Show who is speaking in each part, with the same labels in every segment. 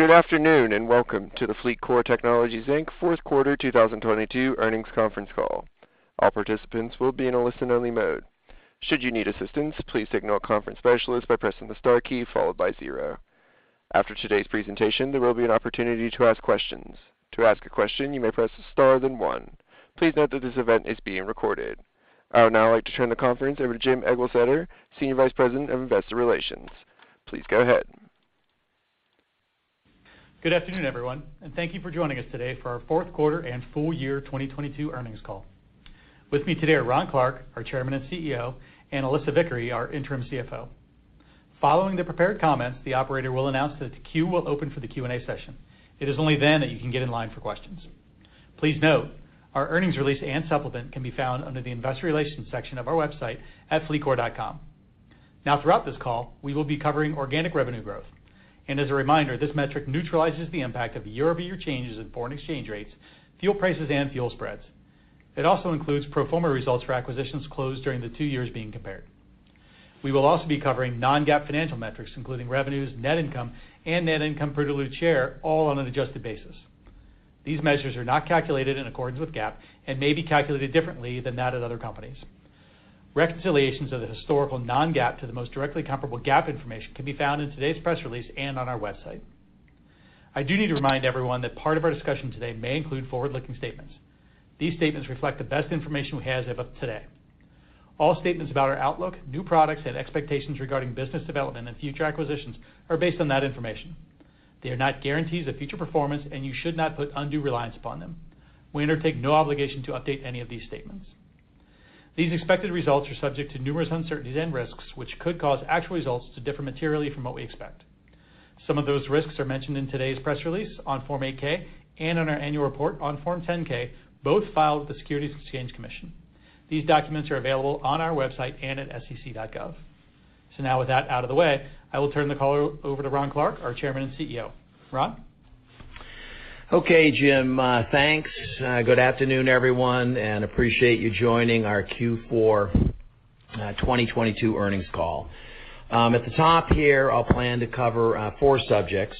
Speaker 1: Good afternoon, and welcome to the FLEETCOR Technologies Inc. Q4 2022 earnings conference call. All participants will be in a listen-only mode. Should you need assistance, please signal a conference specialist by pressing the star key followed by 0. After today's presentation, there will be an opportunity to ask questions. To ask a question, you may press star then one. Please note that this event is being recorded. I would now like to turn the conference over to Jim Eglseder, Senior Vice President of Investor Relations. Please go ahead.
Speaker 2: Good afternoon, everyone. Thank you for joining us today for our Q4 and full year 2022 earnings call. With me today are Ron Clarke, our Chairman and CEO, and Alissa Vickery, our Interim CFO. Following the prepared comments, the operator will announce that the queue will open for the Q&A session. It is only then that you can get in line for questions. Please note our earnings release and supplement can be found under the Investor Relations section of our website at fleetcor.com. Throughout this call, we will be covering organic revenue growth. As a reminder, this metric neutralizes the impact of year-over-year changes in foreign exchange rates, fuel prices, and fuel spreads. It also includes pro forma results for acquisitions closed during the two years being compared. We will also be covering non-GAAP financial metrics, including revenues, net income, and net income per diluted share, all on an adjusted basis. These measures are not calculated in accordance with GAAP and may be calculated differently than that at other companies. Reconciliations of the historical non-GAAP to the most directly comparable GAAP information can be found in today's press release and on our website. I do need to remind everyone that part of our discussion today may include forward-looking statements. These statements reflect the best information we have as of today. All statements about our outlook, new products, and expectations regarding business development and future acquisitions are based on that information. They are not guarantees of future performance, and you should not put undue reliance upon them. We undertake no obligation to update any of these statements. These expected results are subject to numerous uncertainties and risks, which could cause actual results to differ materially from what we expect. Some of those risks are mentioned in today's press release on Form 8-K and on our annual report on Form 10-K, both filed with the Securities and Exchange Commission. These documents are available on our website and at sec.gov. Now with that out of the way, I will turn the call over to Ron Clarke, our Chairman and CEO. Ron?
Speaker 3: Jim. Thanks. Good afternoon, everyone, and appreciate you joining our Q4 2022 earnings call. At the top here, I'll plan to cover four subjects.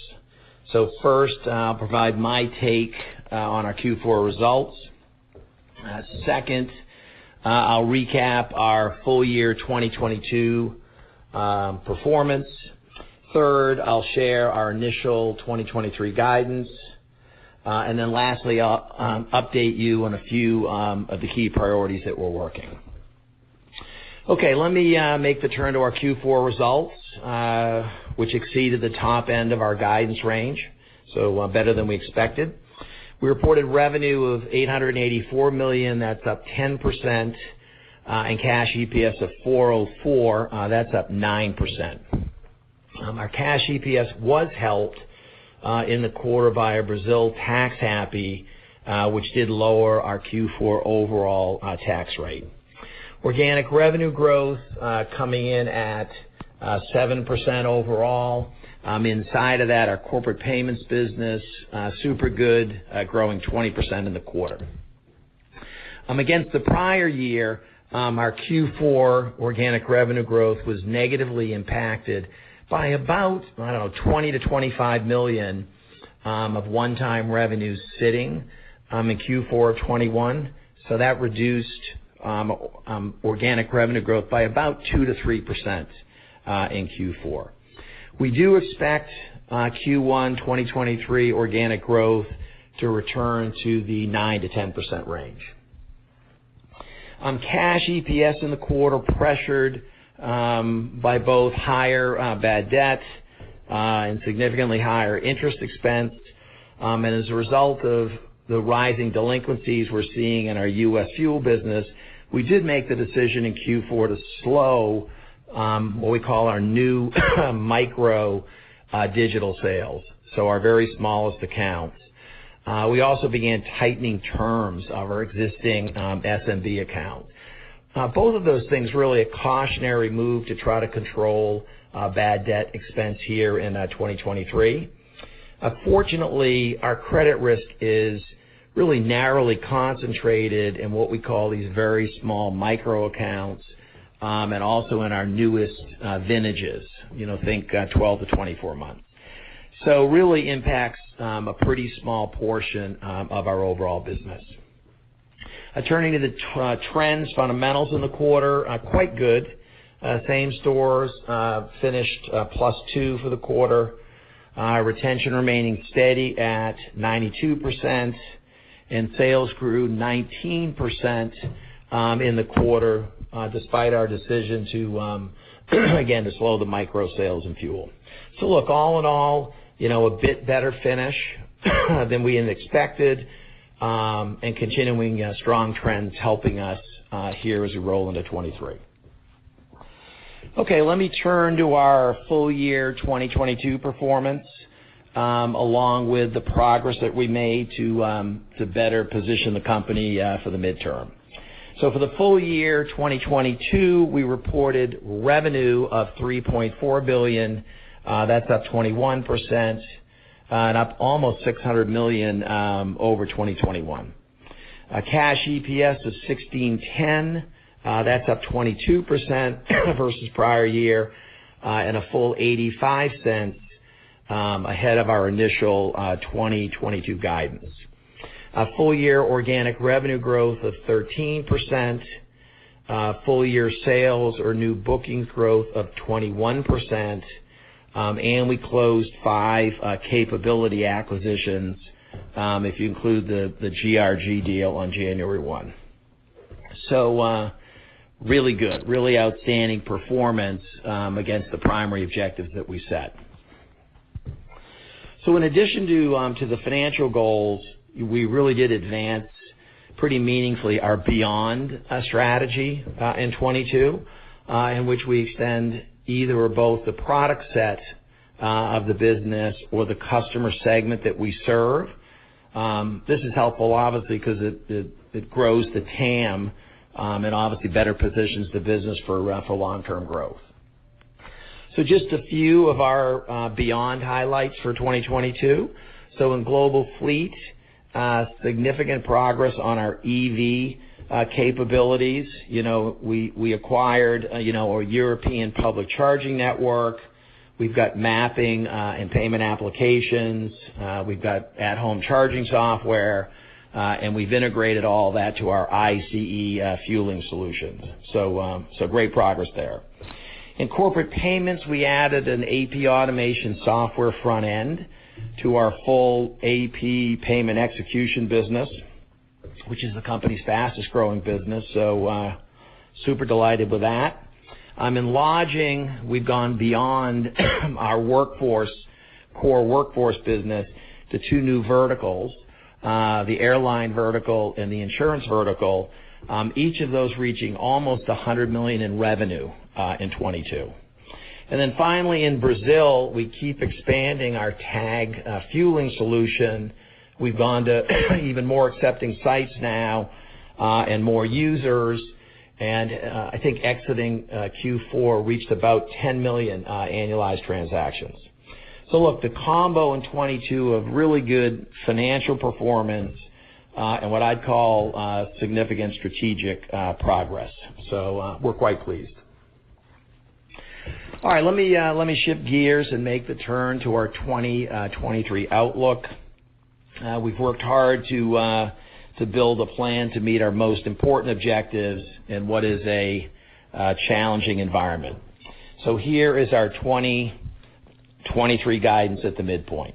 Speaker 3: First, I'll provide my take on our Q4 results. Second, I'll recap our full year 2022 performance. Third, I'll share our initial 2023 guidance. Lastly, I'll update you on a few of the key priorities that we're working. Let me make the turn to our Q4 results, which exceeded the top end of our guidance range, better than we expected. We reported revenue of $884 million, that's up 10%, and cash EPS of $4.04, that's up 9%. Our cash EPS was helped in the quarter by a Brazil tax holiday, which did lower our Q4 overall tax rate. Organic revenue growth coming in at 7% overall. Inside of that, our corporate payments business super good, growing 20% in the quarter. Against the prior year, our Q4 organic revenue growth was negatively impacted by about, I don't know, $20 million-$25 million of one-time revenue sitting in Q4 of 2021. That reduced organic revenue growth by about 2%-3% in Q4. We do expect Q1 2023 organic growth to return to the 9%-10% range. Cash EPS in the quarter pressured by both higher bad debts and significantly higher interest expense. As a result of the rising delinquencies we're seeing in our U.S. fuel business, we did make the decision in Q4 to slow what we call our new micro digital sales, so our very smallest accounts. We also began tightening terms of our existing SMB account. Both of those things really a cautionary move to try to control bad debt expense here in 2023. Fortunately, our credit risk is really narrowly concentrated in what we call these very small micro accounts, and also in our newest vintages, you know, think 12 to 24 months. Really impacts a pretty small portion of our overall business. Turning to the trends, fundamentals in the quarter are quite good. Same stores finished +2% for the quarter. Our retention remaining steady at 92%, and sales grew 19% in the quarter, despite our decision to again slow the micro sales in fuel. Look, all in all, you know, a bit better finish than we had expected, and continuing strong trends helping us here as we roll into 2023. Okay, let me turn to our full year 2022 performance, along with the progress that we made to better position the company for the midterm. For the full year 2022, we reported revenue of $3.4 billion, that's up 21% and up almost $600 million over 2021. Cash EPS of $16.10, that's up 22% versus prior year and a full $0.85 ahead of our initial 2022 guidance. Full year organic revenue growth of 13%, full year sales or new bookings growth of 21%, and we closed five capability acquisitions if you include the GRG deal on January 1. Really good, really outstanding performance against the primary objectives that we set. In addition to the financial goals, we really did advance pretty meaningfully our Beyond strategy in 2022, in which we extend either or both the product set of the business or the customer segment that we serve. This is helpful obviously because it grows the TAM and obviously better positions the business for long-term growth. Just a few of our Beyond highlights for 2022. In global fleet, significant progress on our EV capabilities. You know, we acquired, you know, a European public charging network. We've got mapping and payment applications. We've got at-home charging software, and we've integrated all that to our ICE fueling solutions. Great progress there. In corporate payments, we added an AP automation software front end to our whole AP payment execution business, which is the company's fastest-growing business. Super delighted with that. In lodging, we've gone beyond our workforce, core workforce business to two new verticals, the airline vertical and the insurance vertical, each of those reaching almost $100 million in revenue in 2022. Finally, in Brazil, we keep expanding our tag fueling solution. We've gone to even more accepting sites now and more users. I think exiting Q4 reached about 10 million annualized transactions. Look, the combo in 2022 of really good financial performance and what I'd call significant strategic progress. We're quite pleased. All right. Let me shift gears and make the turn to our 2023 outlook. We've worked hard to build a plan to meet our most important objectives in what is a challenging environment. Here is our 2023 guidance at the midpoint.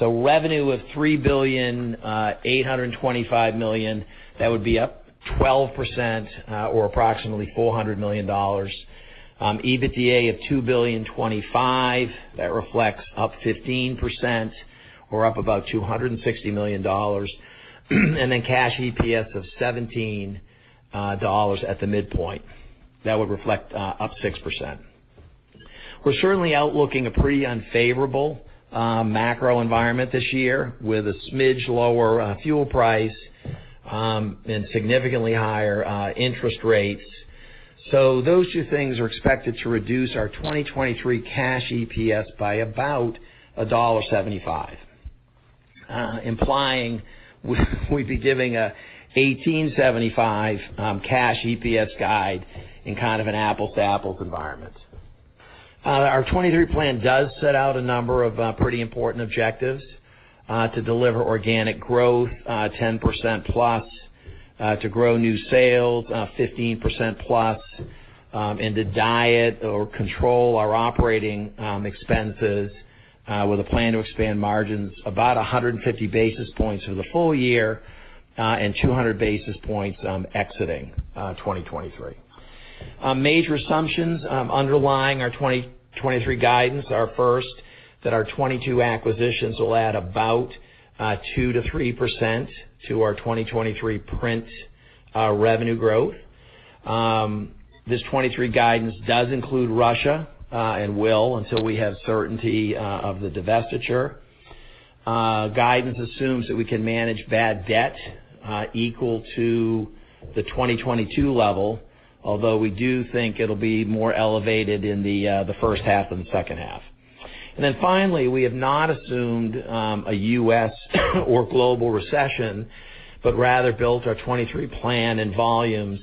Speaker 3: Revenue of $3.825 billion, that would be up 12%, or approximately $400 million. EBITDA of $2.025 billion, that reflects up 15% or up about $260 million. Cash EPS of $17 at the midpoint. That would reflect up 6%. We're certainly outlooking a pretty unfavorable macro environment this year with a smidge lower fuel price, and significantly higher interest rates. Those two things are expected to reduce our 2023 cash EPS by about $1.75, implying we'd be giving a $18.75 cash EPS guide in kind of an apples to apples environment. Our 2023 plan does set out a number of pretty important objectives to deliver organic growth 10%+, to grow new sales 15%+, and to diet or control our operating expenses, with a plan to expand margins about 150 basis points for the full year, and 200 basis points exiting 2023. Major assumptions underlying our 2023 guidance are first, that our 2022 acquisitions will add about 2%-3% to our 2023 print revenue growth. This 2023 guidance does include Russia, and will until we have certainty of the divestiture. Guidance assumes that we can manage bad debt equal to the 2022 level, although we do think it'll be more elevated in the first half than the second half. Finally, we have not assumed a U.S. or global recession, but rather built our 2023 plan and volumes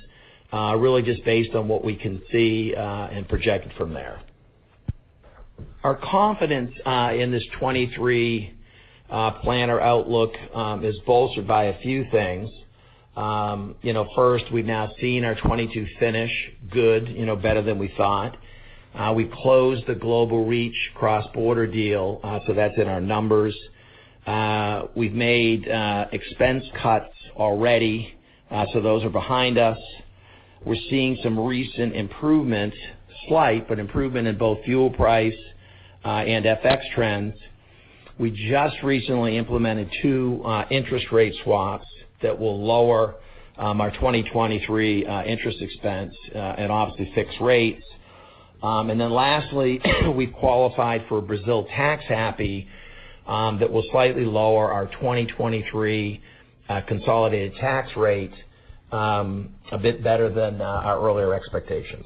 Speaker 3: really just based on what we can see and project from there. Our confidence in this 2023 plan or outlook is bolstered by a few things. You know, first, we've now seen our 2022 finish good, you know, better than we thought. We closed the Global Reach cross-border deal, that's in our numbers. We've made expense cuts already, those are behind us. We're seeing some recent improvement, slight, but improvement in both fuel price and FX trends. We just recently implemented two interest rate swaps that will lower our 2023 interest expense at obviously fixed rates. Lastly, we qualified for Brazil tax holiday that will slightly lower our 2023 consolidated tax rate a bit better than our earlier expectations.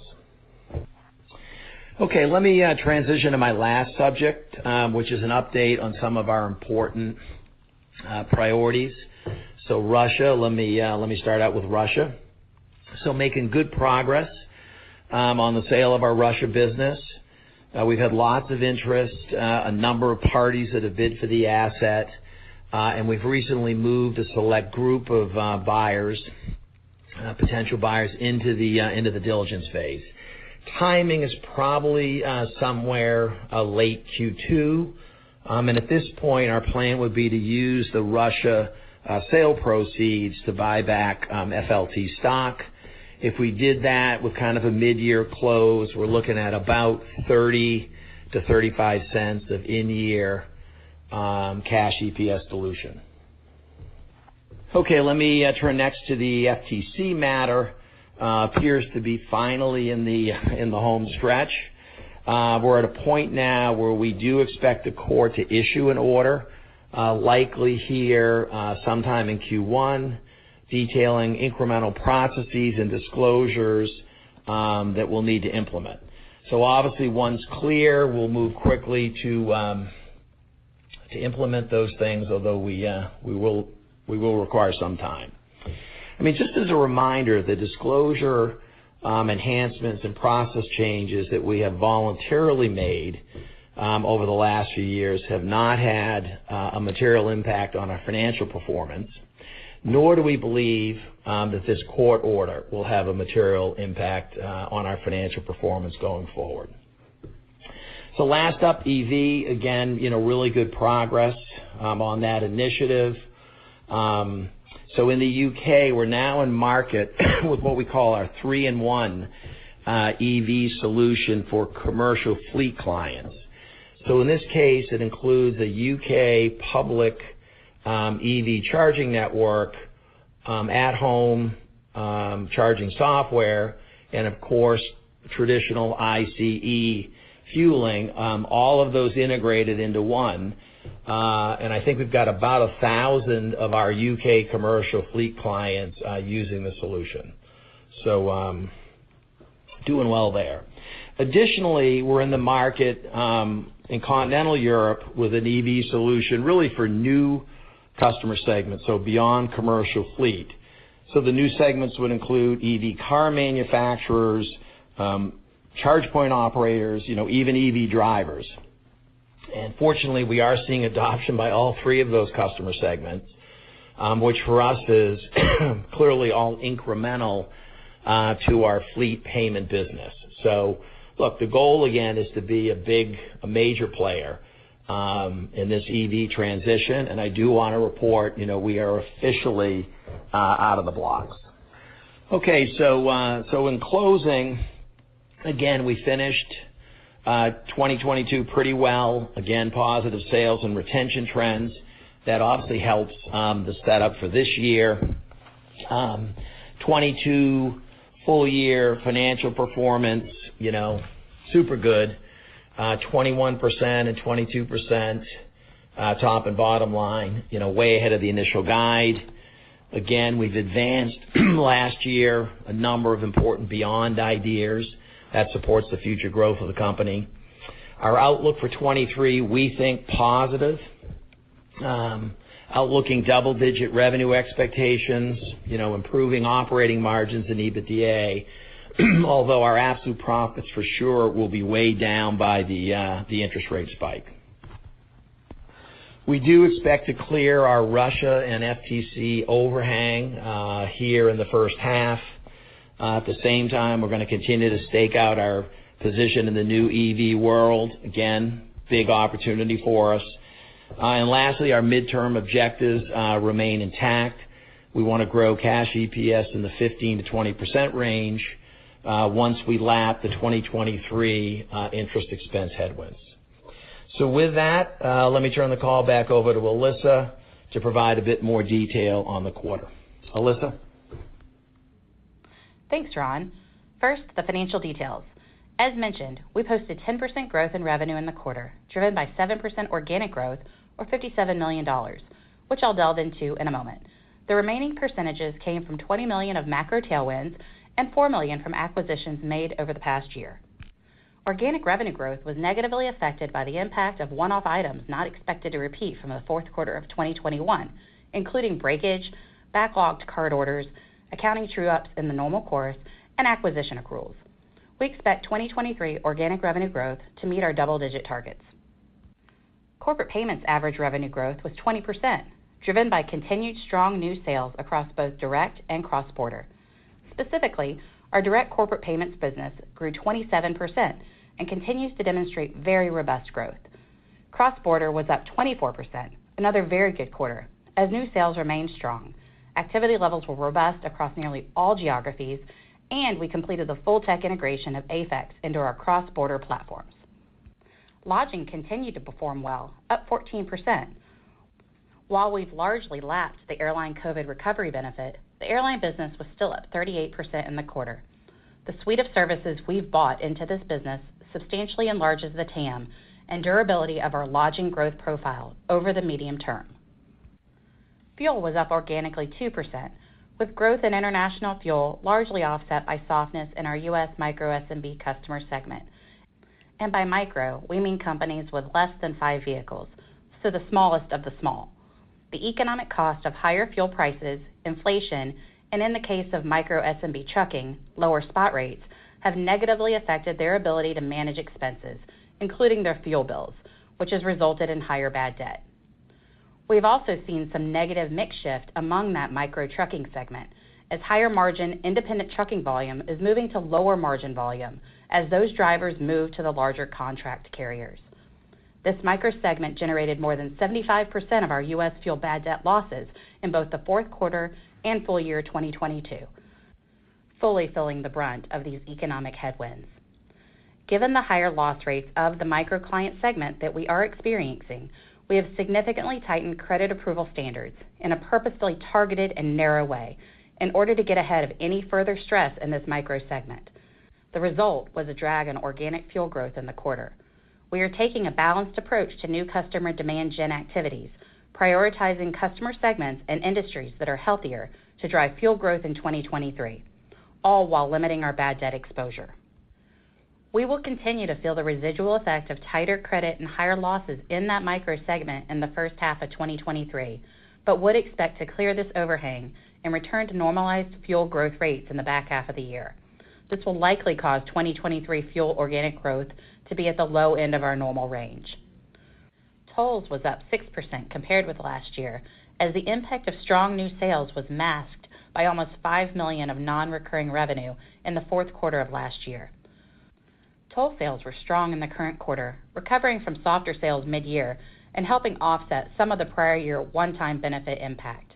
Speaker 3: Let me transition to my last subject, which is an update on some of our important priorities. Russia, let me start out with Russia. Making good progress on the sale of our Russia business. We've had lots of interest, a number of parties that have bid for the asset, and we've recently moved a select group of buyers, potential buyers into the diligence phase. Timing is probably somewhere late Q2. At this point, our plan would be to use the Russia sale proceeds to buy back FLT stock. If we did that with kind of a mid-year close, we're looking at about $0.30-$0.35 of in-year cash EPS dilution. Okay, let me turn next to the FTC matter. Appears to be finally in the home stretch. We're at a point now where we do expect the court to issue an order, likely here sometime in Q1, detailing incremental processes and disclosures that we'll need to implement. Obviously, once clear, we'll move quickly to implement those things, although we will require some time. I mean, just as a reminder, the disclosure enhancements and process changes that we have voluntarily made over the last few years have not had a material impact on our financial performance, nor do we believe that this court order will have a material impact on our financial performance going forward. Last up, EV, again, you know, really good progress on that initiative. In this case, it includes the U.K. public EV charging network, at home charging software and of course, traditional ICE fueling, all of those integrated into one. I think we've got about 1,000 of our U.K. commercial fleet clients using the solution. Doing well there. Additionally, we're in the market in continental Europe with an EV solution, really for new customer segments, so beyond commercial fleet. The new segments would include EV car manufacturers, charge point operators, you know, even EV drivers. Fortunately, we are seeing adoption by all three of those customer segments, which for us is clearly all incremental to our fleet payment business. Look, the goal again is to be a big, a major player in this EV transition, and I do wanna report, you know, we are officially out of the blocks. Okay, in closing, again, we finished 2022 pretty well. Again, positive sales and retention trends. That obviously helps the setup for this year. 2022 full year financial performance, you know, super good. 21% and 22% top and bottom line, you know, way ahead of the initial guide. We've advanced last year a number of important beyond ideas that supports the future growth of the company. Our outlook for 2023, we think positive. Outlooking double-digit revenue expectations, you know, improving operating margins and EBITDA, although our absolute profits for sure will be weighed down by the interest rate spike. We do expect to clear our Russia and FTC overhang here in the first half. At the same time, we're gonna continue to stake out our position in the new EV world. Big opportunity for us. And lastly, our midterm objectives remain intact. We wanna grow cash EPS in the 15%-20% range, once we lap the 2023 interest expense headwinds. With that, let me turn the call back over to Alissa to provide a bit more detail on the quarter. Alissa?
Speaker 4: Thanks, Ron. First, the financial details. As mentioned, we posted 10% growth in revenue in the quarter, driven by 7% organic growth or $57 million, which I'll delve into in a moment. The remaining percentages came from $20 million of macro tailwinds and $4 million from acquisitions made over the past year. Organic revenue growth was negatively affected by the impact of one-off items not expected to repeat from the Q4 of 2021, including breakage, backlogged card orders, accounting true ups in the normal course, and acquisition accruals. We expect 2023 organic revenue growth to meet our double-digit targets. Corporate payments average revenue growth was 20%, driven by continued strong new sales across both direct and cross-border. Specifically, our direct corporate payments business grew 27% and continues to demonstrate very robust growth. Cross-border was up 24%, another very good quarter, as new sales remained strong. Activity levels were robust across nearly all geographies, and we completed the full tech integration of AFEX into our cross-border platforms. Lodging continued to perform well, up 14%. While we've largely lapped the airline COVID recovery benefit, the airline business was still up 38% in the quarter. The suite of services we've bought into this business substantially enlarges the TAM and durability of our lodging growth profile over the medium term. Fuel was up organically 2%, with growth in international fuel largely offset by softness in our U.S. micro SMB customer segment. By micro, we mean companies with less than five vehicles, so the smallest of the small. The economic cost of higher fuel prices, inflation, and in the case of micro SMB trucking, lower spot rates, have negatively affected their ability to manage expenses, including their fuel bills, which has resulted in higher bad debt. We've also seen some negative mix shift among that micro-trucking segment as higher margin independent trucking volume is moving to lower margin volume as those drivers move to the larger contract carriers. This micro segment generated more than 75% of our U.S. fuel bad debt losses in both the Q4 and full year 2022, fully feeling the brunt of these economic headwinds. Given the higher loss rates of the micro client segment that we are experiencing, we have significantly tightened credit approval standards in a purposefully targeted and narrow way in order to get ahead of any further stress in this micro segment. The result was a drag on organic fuel growth in the quarter. We are taking a balanced approach to new customer demand gen activities, prioritizing customer segments and industries that are healthier to drive fuel growth in 2023, all while limiting our bad debt exposure. We will continue to feel the residual effect of tighter credit and higher losses in that micro segment in the first half of 2023, but would expect to clear this overhang and return to normalized fuel growth rates in the back half of the year. This will likely cause 2023 fuel organic growth to be at the low end of our normal range. Tolls was up 6% compared with last year as the impact of strong new sales was masked by almost $5 million of non-recurring revenue in the Q4 of last year. Toll sales were strong in the current quarter, recovering from softer sales mid-year and helping offset some of the prior year one-time benefit impact.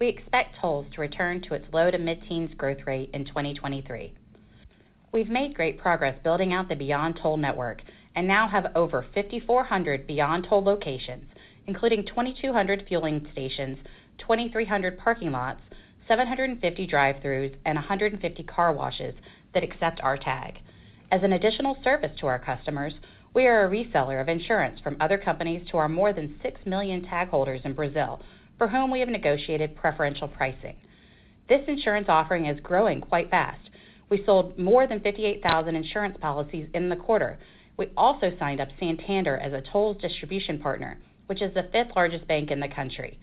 Speaker 4: We expect tolls to return to its low-to-mid-teens growth rate in 2023. We've made great progress building out the Beyond Toll network and now have over 5,400 Beyond Toll locations, including 2,200 fueling stations, 2,300 parking lots, 750 drive-throughs, and 150 car washes that accept our tag. As an additional service to our customers, we are a reseller of insurance from other companies to our more than six million tag holders in Brazil for whom we have negotiated preferential pricing. This insurance offering is growing quite fast. We sold more than 58,000 insurance policies in the quarter. We also signed up Santander as a tolls distribution partner, which is the fifth-largest bank in the country.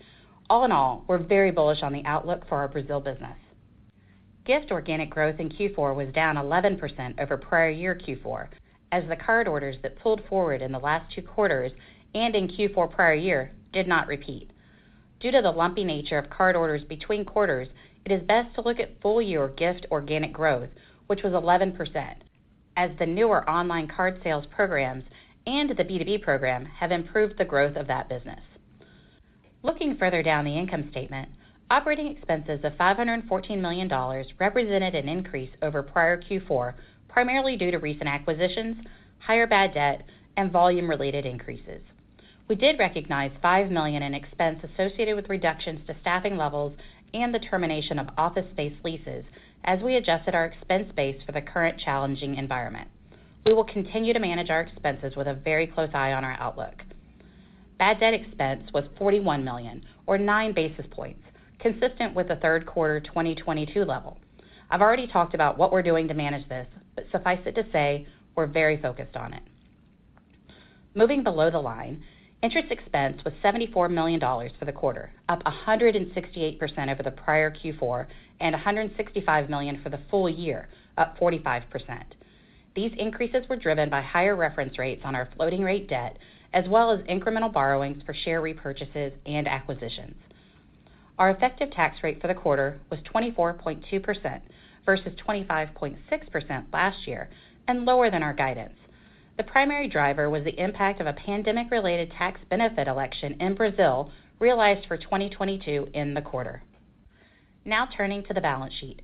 Speaker 4: All in all, we're very bullish on the outlook for our Brazil business. Gift organic growth in Q4 was down 11% over prior year Q4 as the card orders that pulled forward in the last two quarters and in Q4 prior year did not repeat. Due to the lumpy nature of card orders between quarters, it is best to look at full year gift organic growth, which was 11%, as the newer online card sales programs and the B2B program have improved the growth of that business. Looking further down the income statement, operating expenses of $514 million represented an increase over prior Q4, primarily due to recent acquisitions, higher bad debt, and volume-related increases. We did recognize $5 million in expense associated with reductions to staffing levels and the termination of office space leases as we adjusted our expense base for the current challenging environment. We will continue to manage our expenses with a very close eye on our outlook. Bad debt expense was $41 million or nine basis points, consistent with the Q3 2022 level. I've already talked about what we're doing to manage this, but suffice it to say, we're very focused on it. Moving below the line, interest expense was $74 million for the quarter, up 168% over the prior Q4, and $165 million for the full year, up 45%. These increases were driven by higher reference rates on our floating rate debt, as well as incremental borrowings for share repurchases and acquisitions. Our effective tax rate for the quarter was 24.2% versus 25.6% last year and lower than our guidance. The primary driver was the impact of a pandemic-related tax benefit election in Brazil, realized for 2022 in the quarter. Turning to the balance sheet.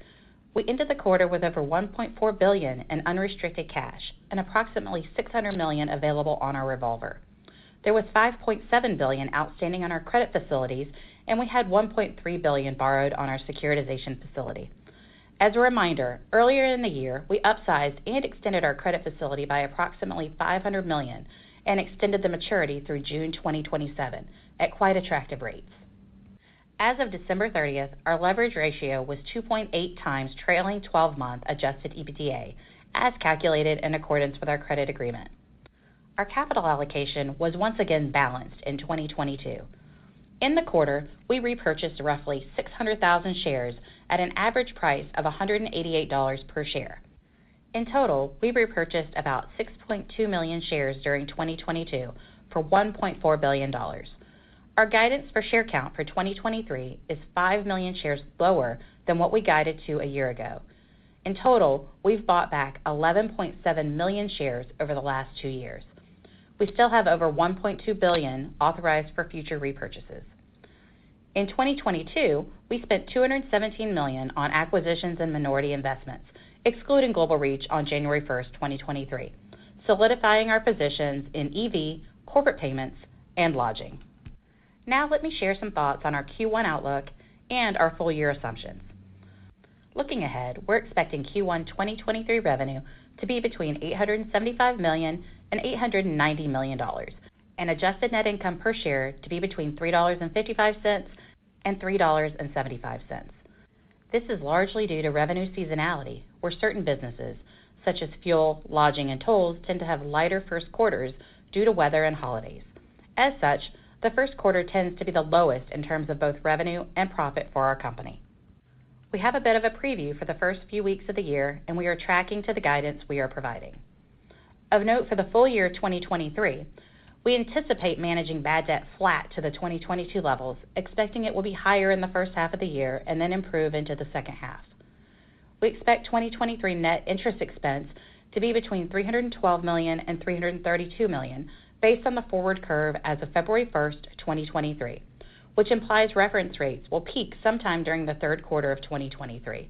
Speaker 4: We ended the quarter with over $1.4 billion in unrestricted cash and approximately $600 million available on our revolver. There was $5.7 billion outstanding on our credit facilities, and we had $1.3 billion borrowed on our securitization facility. As a reminder, earlier in the year, we upsized and extended our credit facility by approximately $500 million and extended the maturity through June 2027 at quite attractive rates. As of December 30th, our leverage ratio was 2.8 times trailing 12 month adjusted EBITDA, as calculated in accordance with our credit agreement. Our capital allocation was once again balanced in 2022. In the quarter, we repurchased roughly 600,000 shares at an average price of $188 per share. In total, we repurchased about 6.2 million shares during 2022 for $1.4 billion. Our guidance for share count for 2023 is five million shares lower than what we guided to a year ago. In total, we've bought back 11.7 million shares over the last two years. We still have over $1.2 billion authorized for future repurchases. In 2022, we spent $217 million on acquisitions and minority investments, excluding Global Reach on January 1, 2023, solidifying our positions in EV, corporate payments, and lodging. Let me share some thoughts on our Q1 outlook and our full year assumptions. Looking ahead, we're expecting Q1 2023 revenue to be between $875 million and $890 million, and adjusted net income per share to be between $3.55 and $3.75. This is largely due to revenue seasonality, where certain businesses such as fuel, lodging, and tolls tend to have lighter Q1 due to weather and holidays. The Q1 tends to be the lowest in terms of both revenue and profit for our company. We have a bit of a preview for the first few weeks of the year. We are tracking to the guidance we are providing. Of note for the full year 2023, we anticipate managing bad debt flat to the 2022 levels, expecting it will be higher in the first half of the year and then improve into the second half. We expect 2023 net interest expense to be between $312 million and $332 million based on the forward curve as of February 1, 2023, which implies reference rates will peak sometime during the Q3 of 2023.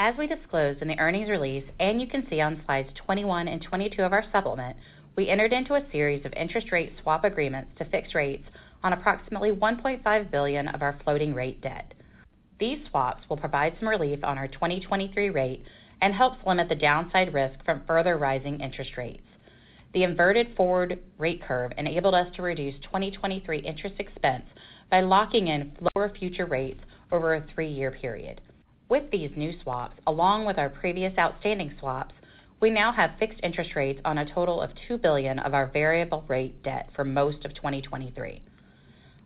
Speaker 4: As we disclosed in the earnings release, and you can see on slides 21 and 22 of our supplement, we entered into a series of interest rate swap agreements to fix rates on approximately $1.5 billion of our floating rate debt. These swaps will provide some relief on our 2023 rate and helps limit the downside risk from further rising interest rates. The inverted forward rate curve enabled us to reduce 2023 interest expense by locking in lower future rates over a three year period. With these new swaps, along with our previous outstanding swaps, we now have fixed interest rates on a total of $2 billion of our variable rate debt for most of 2023.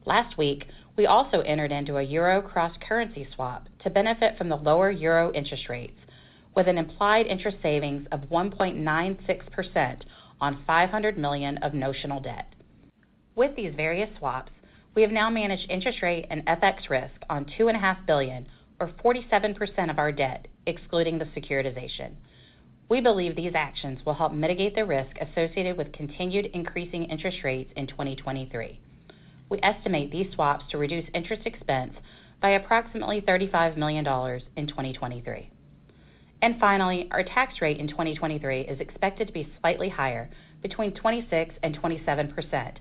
Speaker 4: Last week, we also entered into a euro cross-currency swap to benefit from the lower euro interest rates with an implied interest savings of 1.96% on $500 million of notional debt. With these various swaps, we have now managed interest rate and FX risk on two and a half billion or 47% of our debt, excluding the securitization. We believe these actions will help mitigate the risk associated with continued increasing interest rates in 2023. We estimate these swaps to reduce interest expense by approximately $35 million in 2023. Finally, our tax rate in 2023 is expected to be slightly higher, between 26%-27%,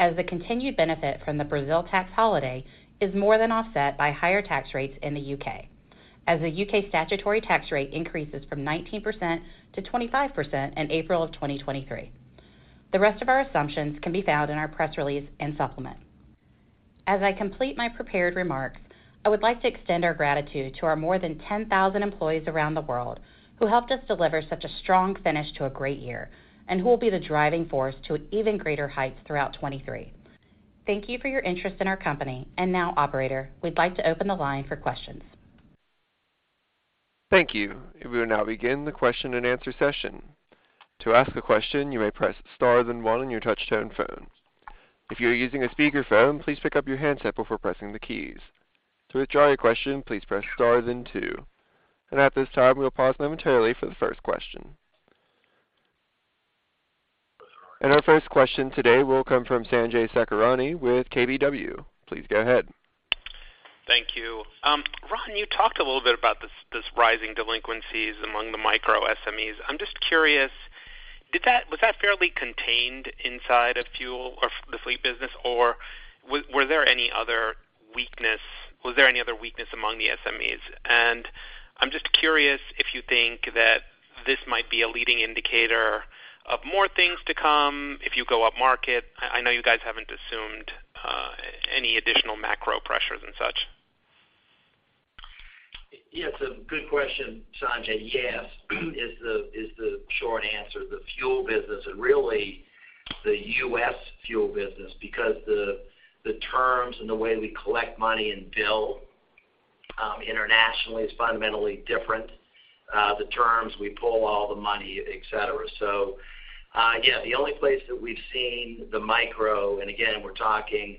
Speaker 4: as the continued benefit from the Brazil tax holiday is more than offset by higher tax rates in the U.K., as the U.K. statutory tax rate increases from 19% to 25% in April 2023. The rest of our assumptions can be found in our press release and supplement. As I complete my prepared remarks, I would like to extend our gratitude to our more than 10,000 employees around the world who helped us deliver such a strong finish to a great year and who will be the driving force to even greater heights throughout 2023. Thank you for your interest in our company. Now, operator, we'd like to open the line for questions.
Speaker 1: Thank you. We will now begin the question-and-answer session. To ask a question, you may press star then one on your touchtone phone. If you are using a speakerphone, please pick up your handset before pressing the keys. To withdraw your question, please press stars and two. At this time, we'll pause momentarily for the first question. Our first question today will come from Sanjay Sakhrani with KBW. Please go ahead.
Speaker 5: Thank you. Ron, you talked a little bit about this rising delinquencies among the micro SMEs. I'm just curious, was that fairly contained inside of fuel or the fleet business? Or was there any other weakness among the SMEs? I'm just curious if you think that this might be a leading indicator of more things to come if you go up market. I know you guys haven't assumed any additional macro pressures and such.
Speaker 3: Yes, a good question, Sanjay. Yes is the short answer. The fuel business and really the U.S. fuel business, because the terms and the way we collect money and bill internationally is fundamentally different. The terms, we pull all the money, et cetera. Yeah, the only place that we've seen the micro, and again, we're talking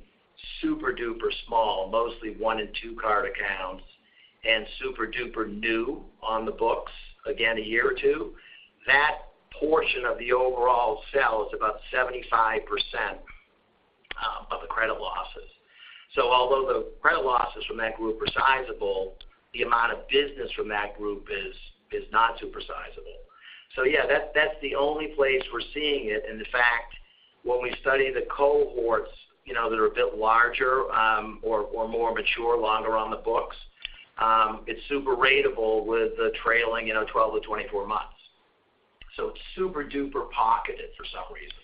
Speaker 3: super-duper small, mostly one and two card accounts and super-duper new on the books, again, a year or two, that portion of the overall sell is about 75% of the credit losses. Although the credit losses from that group are sizable, the amount of business from that group is not super sizable. Yeah, that's the only place we're seeing it. In fact, when we study the cohorts, you know, that are a bit larger, or more mature, longer on the books, it's super ratable with the trailing, you know, 12 to 24 months. It's super-duper pocketed for some reason.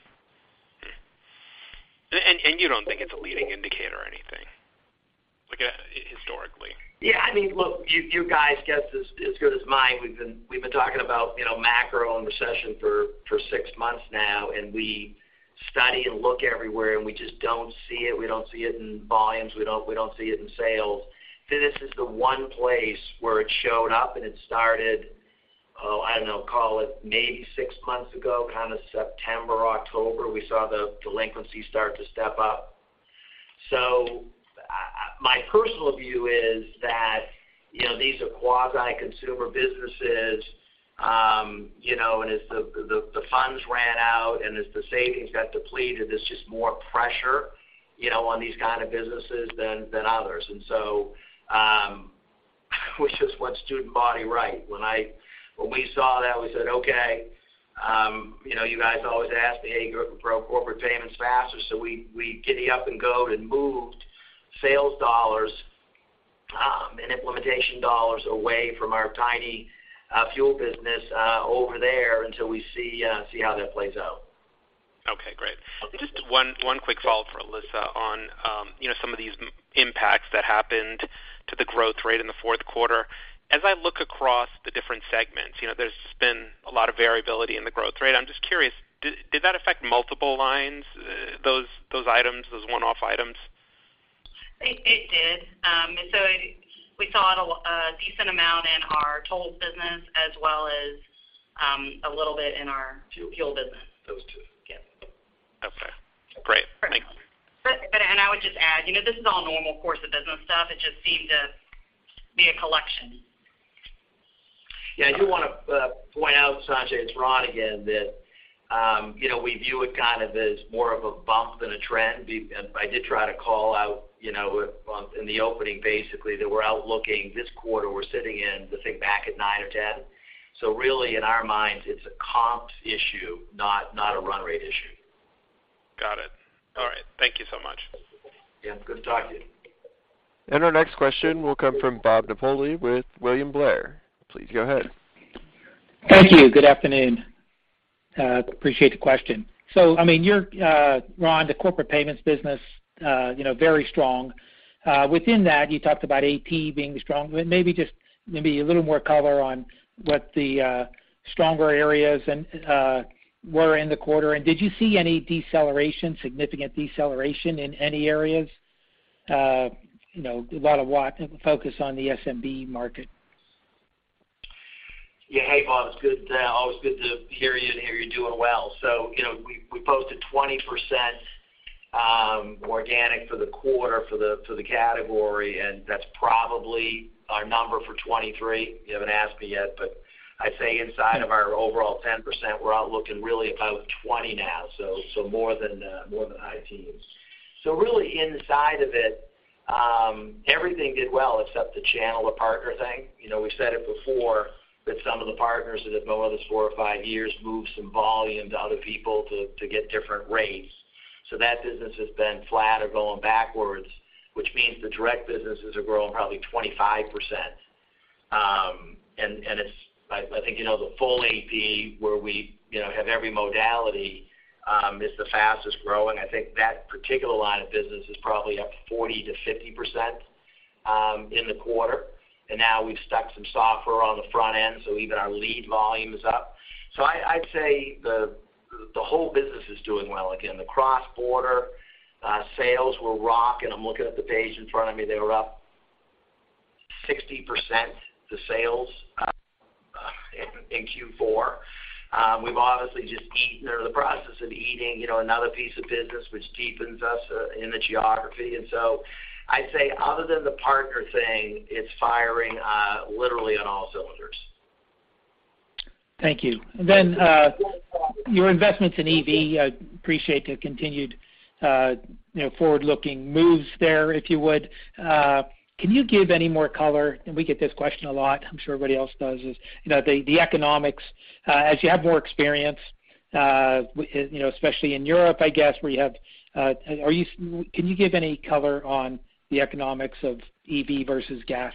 Speaker 5: You don't think it's a leading indicator or anything, like, historically?
Speaker 3: Yeah. I mean, look, your guys' guess is as good as mine. We've been talking about, you know, macro and recession for six months now. We study and look everywhere, and we just don't see it. We don't see it in volumes. We don't see it in sales. This is the one place where it showed up, and it started, oh, I don't know, call it maybe six months ago, kind of September, October, we saw the delinquency start to step up. My personal view is that, you know, these are quasi consumer businesses. You know, and as the funds ran out and as the savings got depleted, there's just more pressure, you know, on these kind of businesses than others. Which is what Student Body write. When we saw that, we said, "Okay, you know, you guys always ask me, "Hey, grow corporate payments faster." We giddy up and go and moved sales dollars and implementation dollars away from our tiny fuel business over there until we see how that plays out.
Speaker 5: Okay, great. Just one quick follow-up for Alissa on, you know, some of these impacts that happened to the growth rate in the Q4. As I look across the different segments, you know, there's been a lot of variability in the growth rate. I'm just curious, did that affect multiple lines, those one-off items?
Speaker 4: It did. We saw it a decent amount in our tolls business as well as a little bit in our fuel business.
Speaker 3: Those two.
Speaker 4: Yeah.
Speaker 5: Okay. Great. Thank you.
Speaker 4: I would just add, you know, this is all normal course of business stuff. It just seemed to be a collection.
Speaker 3: I do wanna point out, Sanjay, it's Ron again, that, you know, we view it kind of as more of a bump than a trend. I did try to call out, you know, a bump in the opening basically that we're outlooking this quarter we're sitting in to think back at nine or 10. Really in our minds, it's a comp issue, not a run rate issue.
Speaker 5: Got it. All right. Thank you so much.
Speaker 3: Yeah. Good to talk to you.
Speaker 1: Our next question will come from Bob Napoli with William Blair. Please go ahead.
Speaker 6: Thank you. Good afternoon. Appreciate the question. I mean, Ron, the corporate payments business, you know, very strong. Within that, you talked about AP being strong. Maybe just a little more color on what the stronger areas and were in the quarter. Did you see any deceleration, significant deceleration in any areas, you know, a lot of focus on the SMB market?
Speaker 3: Yeah. Hey, Bob. It's always good to hear you and hear you're doing well. you know, we posted 20% organic for the quarter for the category, and that's probably our number for 2023. You haven't asked me yet, but I'd say inside of our overall 10%, we're out looking really about 20 now. So more than high teens. Really inside of it, everything did well except the channel, the partner thing. You know, we've said it before that some of the partners that have been with us four or five years moved some volume to other people to get different rates. That business has been flat or going backwards, which means the direct businesses are growing probably 25%. and it's... I think, you know, the full AP where we, you know, have every modality is the fastest growing. I think that particular line of business is probably up 40%-50% in the quarter. Now we've stuck some software on the front end, so even our lead volume is up. I'd say the whole business is doing well. Again, the cross-border sales were rocking. I'm looking at the page in front of me. They were up 60%, the sales, in Q4. We've obviously just eaten or in the process of eating, you know, another piece of business which deepens us in the geography. I'd say other than the partner thing, it's firing literally on all cylinders.
Speaker 6: Thank you. Your investments in EV, I appreciate the continued, you know, forward-looking moves there, if you would. Can you give any more color? We get this question a lot. I'm sure everybody else does, is, you know, the economics. As you have more experience, you know, especially in Europe, I guess, where you have. Can you give any color on the economics of EV versus gas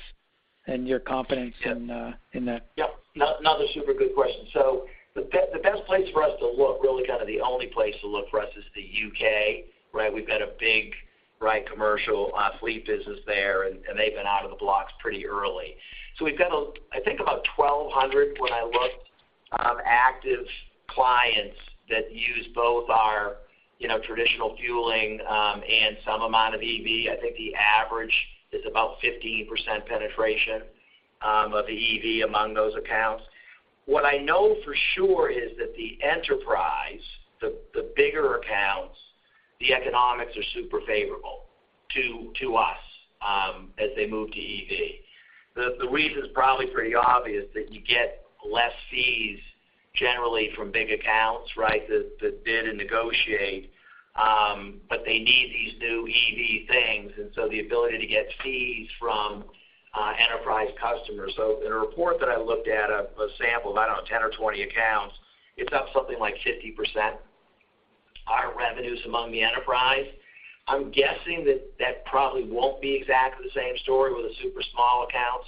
Speaker 6: and your confidence in that?
Speaker 3: Yep. Another super good question. The best place for us to look, really kind of the only place to look for us is the UK, right? We've got a big, right, commercial fleet business there, and they've been out of the blocks pretty early. We've got a, I think about 1,200 when I looked, active clients that use both our, you know, traditional fueling, and some amount of EV. I think the average is about 15% penetration of EV among those accounts. What I know for sure is that the enterprise, the bigger accounts, the economics are super favorable to us as they move to EV. The reason's probably pretty obvious that you get less fees generally from big accounts, right, that bid and negotiate. They need these new EV things and so the ability to get fees from enterprise customers. In a report that I looked at, a sample of, I don't know, 10 or 20 accounts, it's up something like 50% our revenues among the enterprise. I'm guessing that that probably won't be exactly the same story with a super small account.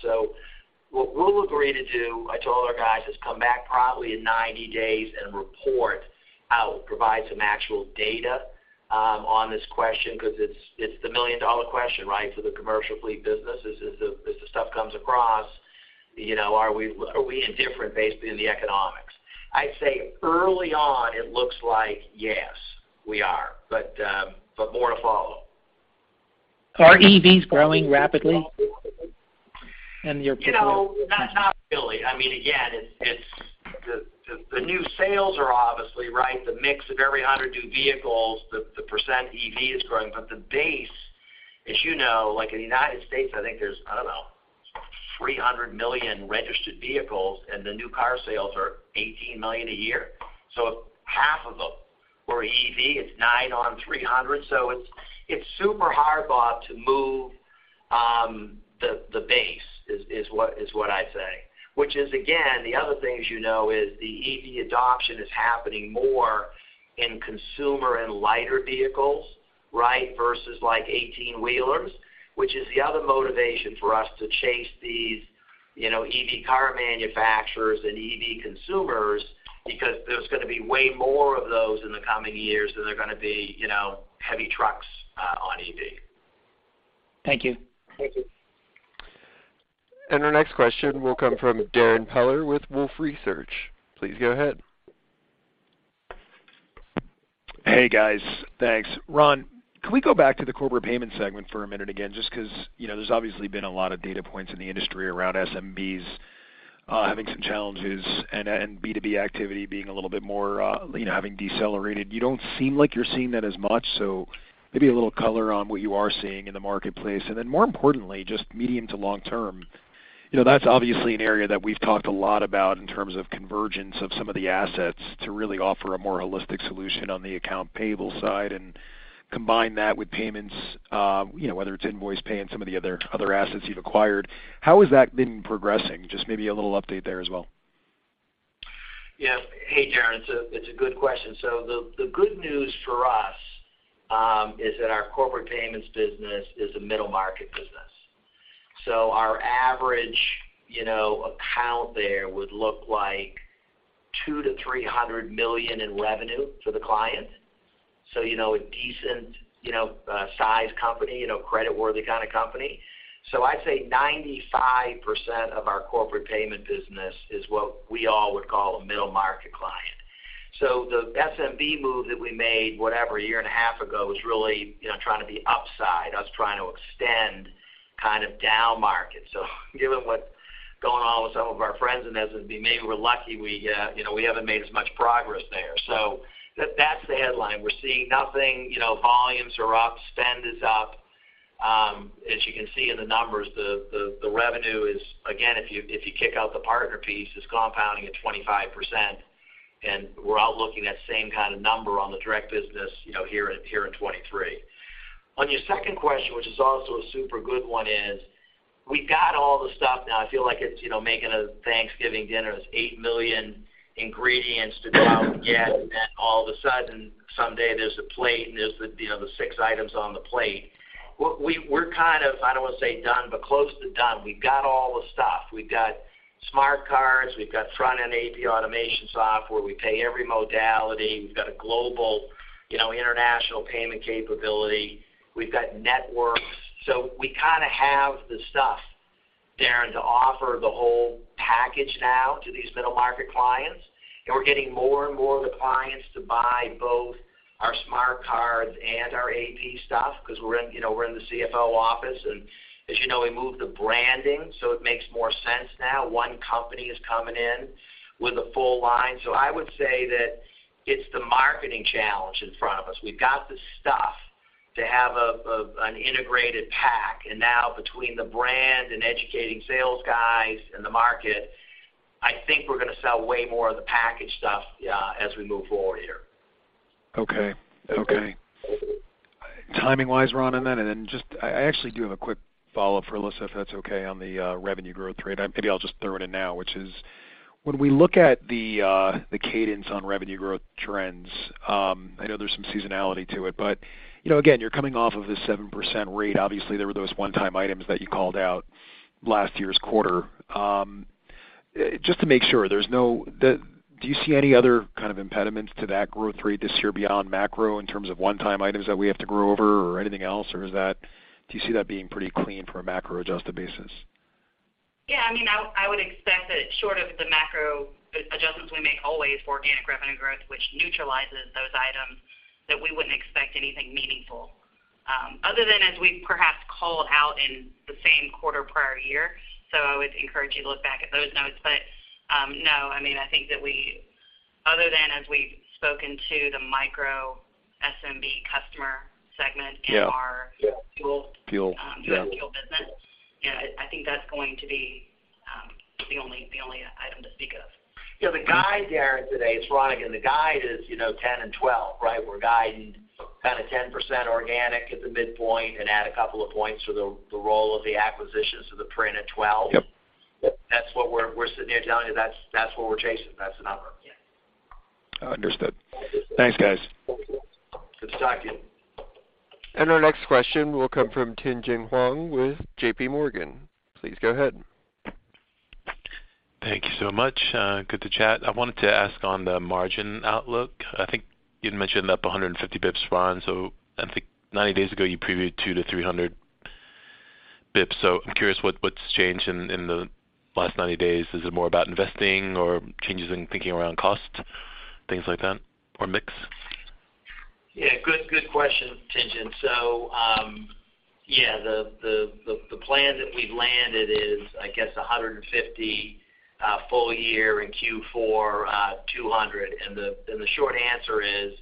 Speaker 3: What we'll agree to do, I told our guys, is come back probably in 90 days and report out, provide some actual data on this question because it's the million-dollar question, right? For the commercial fleet business is if the stuff comes across, you know, are we indifferent based in the economics? I'd say early on it looks like yes, we are. More to follow.
Speaker 6: Are EVs growing rapidly in your opinion?
Speaker 3: You know, not really. I mean, again, it's The new sales are obviously, right? The mix of every 100 new vehicles, the % EV is growing. The base, as you know, like in the U.S., I think there's, I don't know, 300 million registered vehicles and the new car sales are 18 million a year. If half of themOr EV, it's nine on 300. It's super hard bought to move, the base is what I'd say. Which is again, the other things you know is the EV adoption is happening more in consumer and lighter vehicles, right? Versus like 18 wheelers, which is the other motivation for us to chase these, you know, EV car manufacturers and EV consumers, because there's gonna be way more of those in the coming years than there are gonna be, you know, heavy trucks, on EV.
Speaker 6: Thank you.
Speaker 3: Thank you.
Speaker 1: Our next question will come from Darrin Peller with Wolfe Research. Please go ahead.
Speaker 7: Hey, guys. Thanks. Ron, can we go back to the corporate payment segment for a minute again, just because, you know, there's obviously been a lot of data points in the industry around SMBs having some challenges and B2B activity being a little bit more, you know, having decelerated. You don't seem like you're seeing that as much, so maybe a little color on what you are seeing in the marketplace. Then more importantly, just medium to long term, you know, that's obviously an area that we've talked a lot about in terms of convergence of some of the assets to really offer a more holistic solution on the account payable side and combine that with payments, you know, whether it's invoice pay and some of the other assets you've acquired. How has that been progressing? Just maybe a little update there as well.
Speaker 3: Hey, Darrin, it's a good question. The good news for us is that our corporate payments business is a middle market business. Our average, you know, account there would look like $200 million-$300 million in revenue for the client. You know, a decent, you know, size company, you know, credit worthy kind of company. I'd say 95% of our corporate payment business is what we all would call a middle market client. The SMB move that we made, whatever, a year and a half ago, was really, you know, trying to be upside, us trying to extend kind of down market. Given what's going on with some of our friends in SMB, maybe we're lucky we, you know, we haven't made as much progress there. That's the headline. We're seeing nothing, you know, volumes are up, spend is up. As you can see in the numbers, the, the revenue is, again, if you, if you kick out the partner piece, it's compounding at 25%, and we're out looking at the same kind of number on the direct business, you know, here in, here in 2023. On your second question, which is also a super good one, is we've got all the stuff now. I feel like it's, you know, making a Thanksgiving dinner. There's eight million ingredients to go get, and all of a sudden, someday there's a plate, and there's the, you know, the six items on the plate. We're kind of, I don't want to say done, but close to done. We've got all the stuff. We've got smart cards. We've got front-end AP automation software. We pay every modality. We've got a global, you know, international payment capability. We've got networks. We kind of have the stuff, Darrin Peller, to offer the whole package now to these middle market clients. We're getting more and more of the clients to buy both our smart cards and our AP stuff because we're in, you know, we're in the CFO office. As you know, we moved the branding, so it makes more sense now. One company is coming in with a full line. I would say that it's the marketing challenge in front of us. We've got the stuff to have an integrated pack, and now between the brand and educating sales guys and the market, I think we're gonna sell way more of the package stuff as we move forward here.
Speaker 7: Okay. Okay. Timing wise, Ron, on that? Then just I actually do have a quick follow-up for Alissa Vickery, if that's okay, on the revenue growth rate. Maybe I'll just throw it in now, which is when we look at the cadence on revenue growth trends, I know there's some seasonality to it, but, you know, again, you're coming off of this 7% rate. Obviously, there were those one-time items that you called out last year's quarter. Just to make sure, do you see any other kind of impediments to that growth rate this year beyond macro in terms of one-time items that we have to grow over or anything else? Do you see that being pretty clean from a macro-adjusted basis?
Speaker 4: Yeah. I mean, I would expect that short of the macro adjustments we make always for organic revenue growth, which neutralizes those items, that we wouldn't expect anything meaningful, other than as we perhaps call out in the same quarter prior year. I would encourage you to look back at those notes. No, I mean, I think that we other than as we've spoken to the micro SMB customer segment in our fuel business.
Speaker 7: Yeah.
Speaker 4: Yeah, I think that's going to be, the only item to speak of.
Speaker 3: You know, the guide, Darrin, today, it's Ron again. The guide is, you know, 10 and 12, right? We're guiding kind of 10% organic at the midpoint and add a couple of points for the role of the acquisitions for the print at 12.
Speaker 7: Yep.
Speaker 3: That's what we're sitting here telling you. That's what we're chasing. That's the number.
Speaker 7: Yeah. Understood. Thanks, guys.
Speaker 3: Good to talk to you.
Speaker 2: Our next question will come from Tien-Tsin Huang with JPMorgan. Please go ahead.
Speaker 8: Thank you so much. good to chat. I wanted to ask on the margin outlook. I think you'd mentioned up 150 basis points, Ron. I think 90 days ago, you previewed 200-300 basis points. I'm curious what's changed in the last 90 days. Is it more about investing or changes in thinking around cost, things like that, or mix?
Speaker 3: Good, good question, Tien-Tsin. The plan that we've landed is, I guess, $150 full year in Q4, $200. The short answer is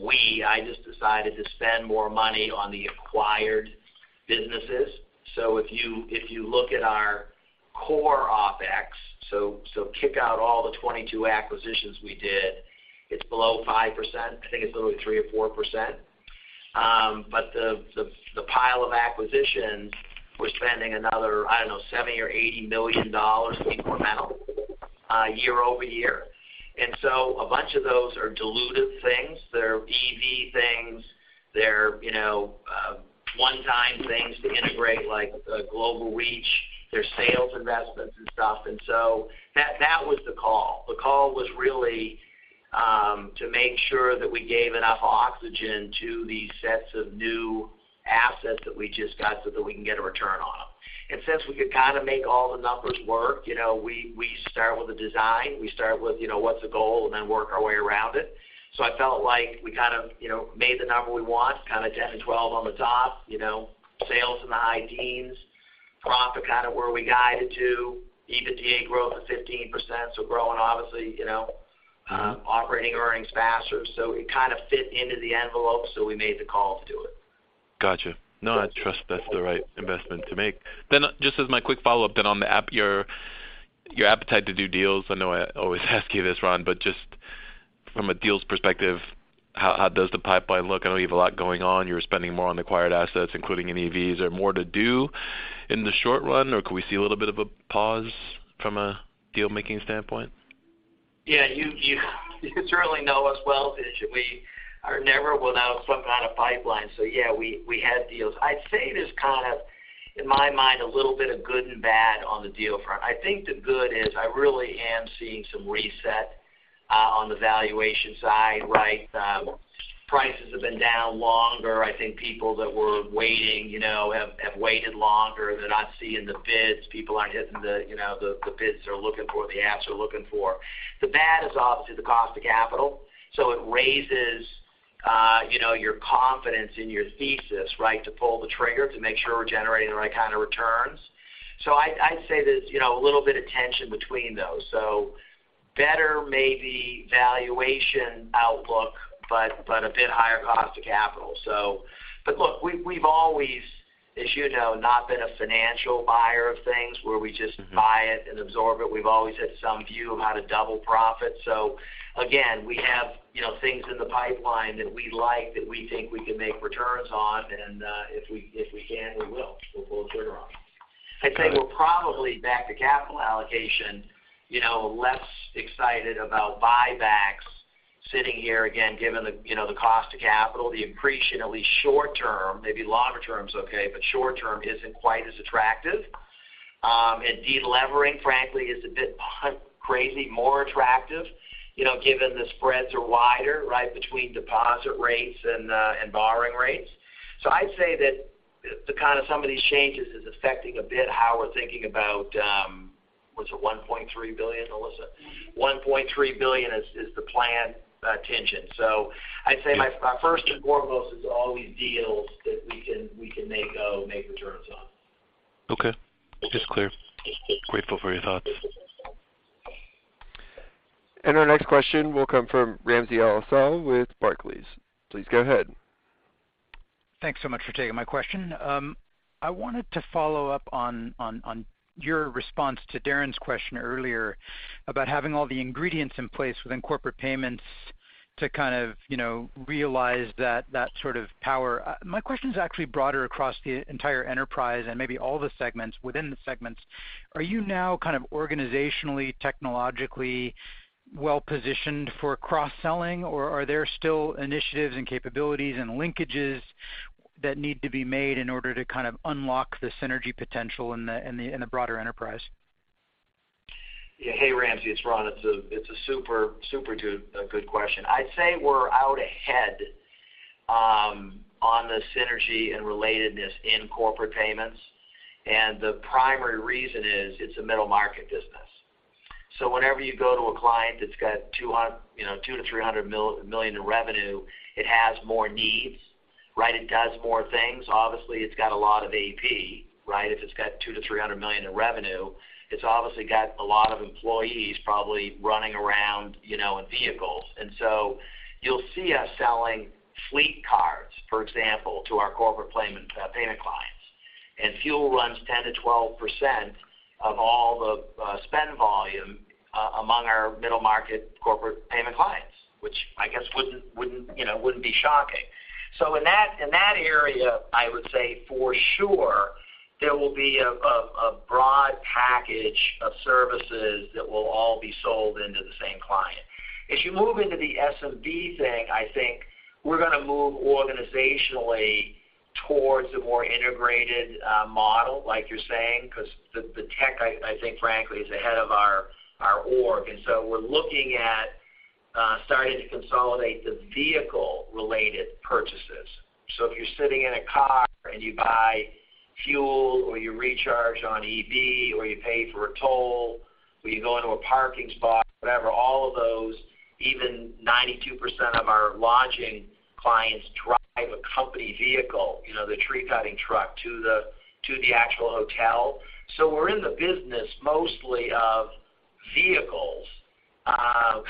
Speaker 3: I just decided to spend more money on the acquired businesses. If you look at our Core OpEx. Kick out all the 2022 acquisitions we did, it's below 5%. I think it's literally 3% or 4%. The pile of acquisitions, we're spending another, I don't know, $70 million or $80 million incremental year-over-year. A bunch of those are dilutive things. They're EV things. They're, you know, one-time things to integrate, like Global Reach, they're sales investments and stuff. That was the call. The call was really to make sure that we gave enough oxygen to these sets of new assets that we just got so that we can get a return on them. Since we could kind of make all the numbers work, you know, we start with the design. We start with, you know, what's the goal? Then work our way around it. I felt like we kind of, you know, made the number we want, kind of 10-12 on the top, you know, sales in the high teens, profit kind of where we guided to. EBITDA growth of 15%, so growing obviously, you know, operating earnings faster. It kind kind of fit into the envelope, so we made the call to do it.
Speaker 8: Gotcha. No, I trust that's the right investment to make. Just as my quick follow-up then on your appetite to do deals. I know I always ask you this, Ron, but just from a deals perspective, how does the pipeline look? I know you have a lot going on. You're spending more on acquired assets, including in EVs. Is there more to do in the short run, or could we see a little bit of a pause from a deal-making standpoint?
Speaker 3: Yeah, you certainly know us well, Tien-Tsin. We are never without some kind of pipeline. Yeah, we had deals. I'd say there's kind of, in my mind, a little bit of good and bad on the deal front. I think the good is I really am seeing some reset on the valuation side, right? Prices have been down longer. I think people that were waiting, you know, have waited longer. They're not seeing the bids. People aren't hitting the, you know, the bids they're looking for, the asks they're looking for. The bad is obviously the cost of capital. It raises, you know, your confidence in your thesis, right, to pull the trigger, to make sure we're generating the right kind of returns. I'd say there's, you know, a little bit of tension between those. Better maybe valuation outlook, but a bit higher cost of capital. Look, we've always, as you know, not been a financial buyer of things where we just buy it and absorb it. We've always had some view of how to double profit. Again, we have, you know, things in the pipeline that we like, that we think we can make returns on. If we, if we can, we will. We'll pull the trigger on them. I'd say we're probably back to capital allocation, you know, less excited about buybacks sitting here again, given the, you know, the cost of capital, the appreciation at least short term, maybe longer term's okay, but short term isn't quite as attractive. De-levering frankly is a bit crazy, more attractive, you know, given the spreads are wider, right, between deposit rates and borrowing rates. I'd say that the kind of some of these changes is affecting a bit how we're thinking about, what's it, $1.3 billion, Alissa? $1.3 billion is the planned tension. I'd say my first and foremost is always deals that we can make go, make returns on.
Speaker 8: Okay. It's clear. Grateful for your thoughts.
Speaker 1: Our next question will come from Ramsey El-Assal with Barclays. Please go ahead.
Speaker 9: Thanks so much for taking my question. I wanted to follow up on your response to Darrin's question earlier about having all the ingredients in place within corporate payments to kind of, you know, realize that sort of power. My question is actually broader across the entire enterprise and maybe all the segments within the segments. Are you now kind of organizationally, technologically well-positioned for cross-selling, or are there still initiatives and capabilities and linkages that need to be made in order to kind of unlock the synergy potential in the broader enterprise?
Speaker 3: Yeah. Hey, Ramsey, it's Ron. It's a super good question. I'd say we're out ahead on the synergy and relatedness in corporate payments. The primary reason is it's a middle market business. Whenever you go to a client that's got you know, $200 million-$300 million in revenue, it has more needs, right? It does more things. Obviously, it's got a lot of AP, right? If it's got $200 million-$300 million in revenue, it's obviously got a lot of employees probably running around, you know, in vehicles. You'll see us selling fleet cards, for example, to our corporate payment clients. Fuel runs 10%-12% of all the spend volume among our middle market corporate payment clients, which I guess wouldn't, you know, wouldn't be shocking. In that area, I would say for sure there will be a broad package of services that will all be sold into the same client. As you move into the SMB thing, I think we're gonna move organizationally towards a more integrated model, like you're saying, 'cause the tech, I think, frankly, is ahead of our org. We're looking at starting to consolidate the vehicle-related purchases. If you're sitting in a car and you buy fuel or you recharge on EV or you pay for a toll or you go into a parking spot, whatever, all of those, even 92% of our lodging clients drive a company vehicle, you know, the tree-cutting truck to the actual hotel. We're in the business mostly of vehicles,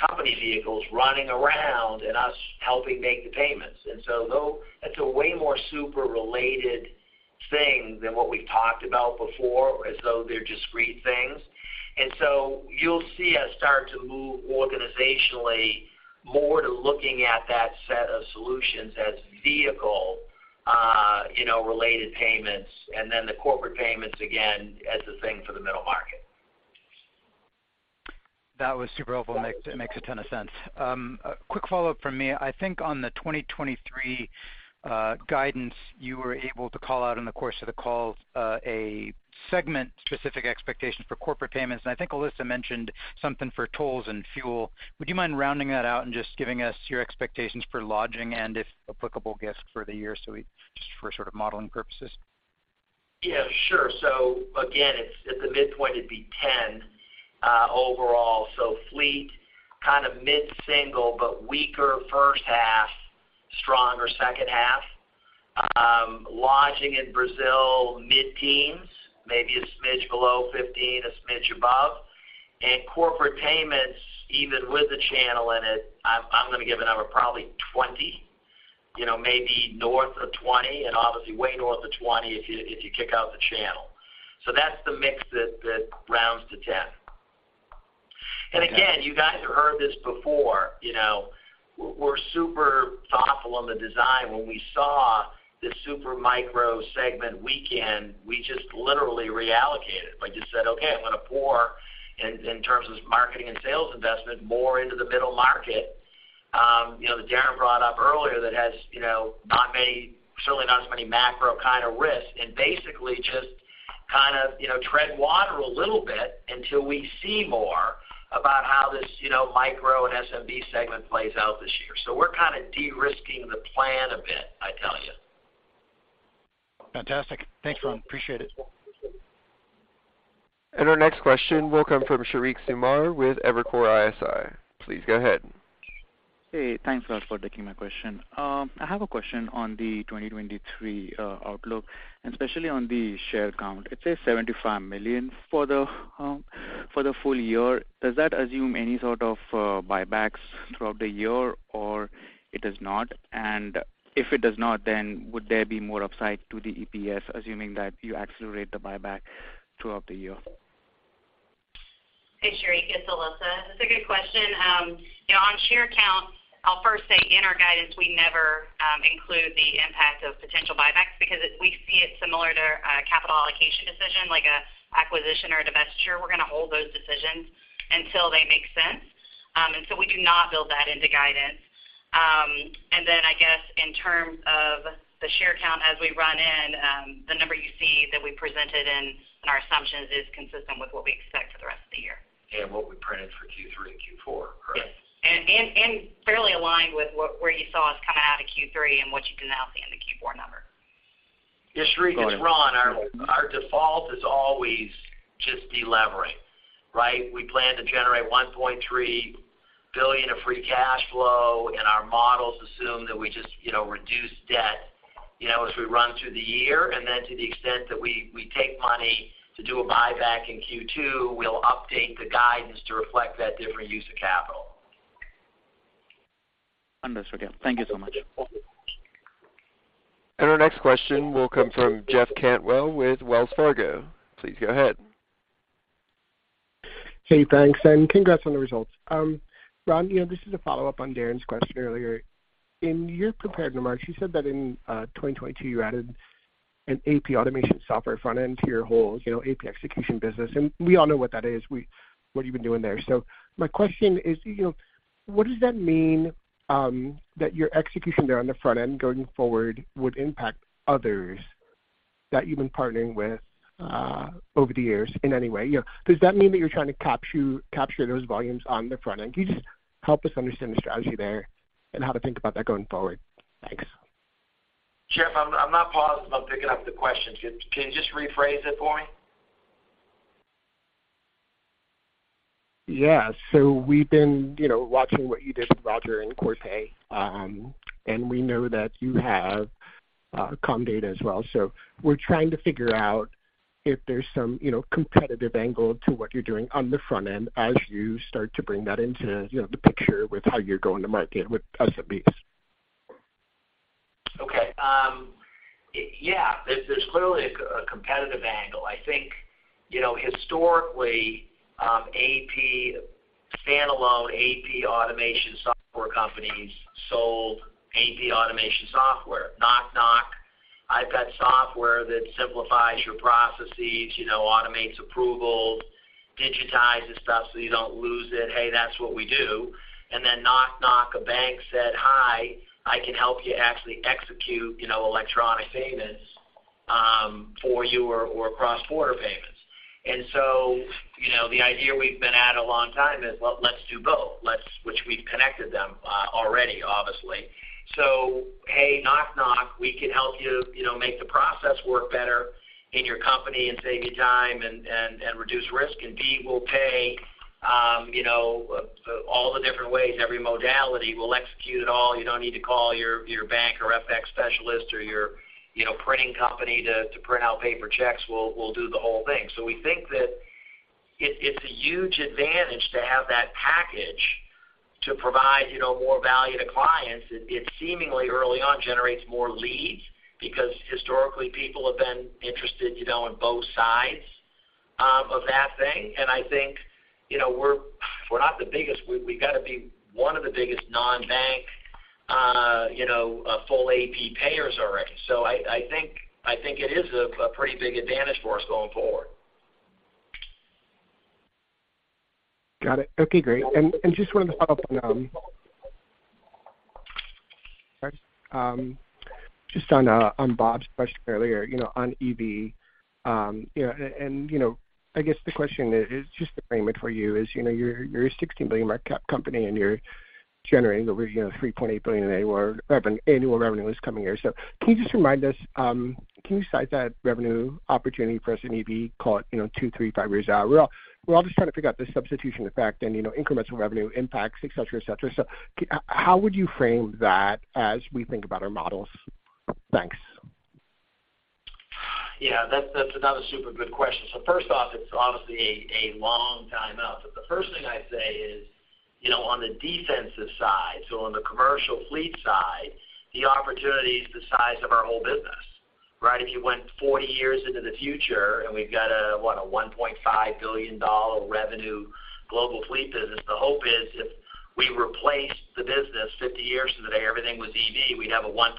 Speaker 3: company vehicles running around and us helping make the payments. Though that's a way more super related thing than what we've talked about before, as though they're discrete things. You'll see us start to move organizationally more to looking at that set of solutions as vehicle, you know, related payments, and then the corporate payments again as the thing for the middle market.
Speaker 9: That was super helpful, and it makes a ton of sense. A quick follow-up from me. I think on the 2023 guidance you were able to call out in the course of the call a segment specific expectations for corporate payments, and I think Alissa mentioned something for tolls and fuel. Would you mind rounding that out and just giving us your expectations for lodging and if applicable gifts for the year just for sort of modeling purposes?
Speaker 3: Yeah, sure. Again, it's at the midpoint, it'd be 10% overall. Fleet kind of mid-single, but weaker first half, stronger second half. Lodging in Brazil, mid-teens, maybe a smidge below 15%, a smidge above. Corporate payments, even with the channel in it, I'm gonna give a number, probably 20%, you know, maybe north of 20% and obviously way north of 20% if you kick out the channel. That's the mix that rounds to 10%.
Speaker 9: Okay.
Speaker 3: Again, you guys have heard this before, you know, we're super thoughtful on the design. When we saw the super micro segment weaken, we just literally reallocated. Like you said, okay, I'm gonna pour in terms of marketing and sales investment more into the middle market, you know, that Darren brought up earlier that has, you know, not many, certainly not as many macro kind of risks. Basically just kind of, you know, tread water a little bit until we see more about how this, you know, micro and SMB segment plays out this year. We're kind of de-risking the plan a bit, I tell you.
Speaker 9: Fantastic. Thanks, Ron. Appreciate it.
Speaker 1: Our next question will come from Sheriq Sumar with Evercore ISI. Please go ahead.
Speaker 10: Hey, thanks a lot for taking my question. I have a question on the 2023 outlook, and especially on the share count. It says 75 million for the full year. Does that assume any sort of buybacks throughout the year or it does not? If it does not, then would there be more upside to the EPS, assuming that you accelerate the buyback throughout the year?
Speaker 4: Hey, Sheriq, it's Alissa. That's a good question. you know, on share count, I'll first say in our guidance, we never include the impact of potential buybacks because we see it similar to a capital allocation decision like a acquisition or a divestiture. We're gonna hold those decisions until they make sense. We do not build that into guidance. I guess in terms of the share count as we run in, the number you see that we presented in our assumptions is consistent with what we expect for the rest of the year.
Speaker 3: What we printed for Q3 and Q4. Correct.
Speaker 4: Yes. And fairly aligned with where you saw us come out of Q3 and what you can now see in the Q4 number.
Speaker 3: Yeah, Sheriq, it's Ron. Our default is always just de-levering, right? We plan to generate $1.3 billion of free cash flow, our models assume that we just, you know, reduce debt, you know, as we run through the year. To the extent that we take money to do a buyback in Q2, we'll update the guidance to reflect that different use of capital.
Speaker 10: Understood. Yeah. Thank you so much.
Speaker 1: Our next question will come from Jeff Cantwell with Wells Fargo. Please go ahead.
Speaker 11: Hey, thanks, congrats on the results. Ron, you know, this is a follow-up on Darrin's question earlier. In your prepared remarks, you said that in 2022 you added an AP automation software front end to your whole, you know, AP execution business, we all know what that is, what you've been doing there. My question is, you know, what does that mean, that your execution there on the front end going forward would impact others that you've been partnering with over the years in any way? You know, does that mean that you're trying to capture those volumes on the front end? Can you just help us understand the strategy there and how to think about that going forward? Thanks.
Speaker 3: Jeff, I'm not positive I'm picking up the question. Can you just rephrase it for me?
Speaker 11: Yeah. We've been, you know, watching what you did with Roger and Corpay, and we know that you have, Comdata as well. We're trying to figure out if there's some, you know, competitive angle to what you're doing on the front end as you start to bring that into, you know, the picture with how you're going to market with SMBs.
Speaker 3: Okay. Yeah, there's clearly a competitive angle. I think, you know, historically, AP standalone AP automation software companies sold AP automation software. Knock, knock. I've got software that simplifies your processes, you know, automates approvals, digitizes stuff so you don't lose it. Hey, that's what we do. Then knock, a bank said, "Hi, I can help you actually execute, you know, electronic payments for you or cross-border payments." So, you know, the idea we've been at a long time is well, let's do both. Which we've connected them already, obviously. Hey, knock. We can help you know, make the process work better in your company and save you time and reduce risk. B, we'll pay, you know, all the different ways, every modality. We'll execute it all. You don't need to call your bank or FX specialist or your. You know, printing company to print out paper checks. We'll do the whole thing. We think that it's a huge advantage to have that package to provide, you know, more value to clients. It seemingly early on generates more leads because historically people have been interested, you know, on both sides of that thing. I think, you know, we're not the biggest. We gotta be one of the biggest non-bank, you know, full AP payers already. I think it is a pretty big advantage for us going forward.
Speaker 11: Got it. Okay, great. Just wanted to follow up on. Sorry. Just on Bob's question earlier, you know, on EV. You know, and, you know, I guess the question is just to frame it for you is, you know, you're a $16 billion market cap company, and you're generating over, you know, $3.8 billion annual revenue this coming year. Can you just remind us? Can you size that revenue opportunity for us in EV, call it, you know, two, three, five years out? We're all just trying to figure out the substitution effect and, you know, incremental revenue impacts, et cetera, et cetera. How would you frame that as we think about our models? Thanks.
Speaker 3: Yeah, that's another super good question. First off, it's obviously a long time out, but the first thing I'd say is, you know, on the defensive side, so on the commercial fleet side, the opportunity is the size of our whole business, right? If you went 40 years into the future and we've got a, what, a $1.5 billion revenue global fleet business, the hope is if we replaced the business 50 years from today, everything was EV, we'd have a $1.5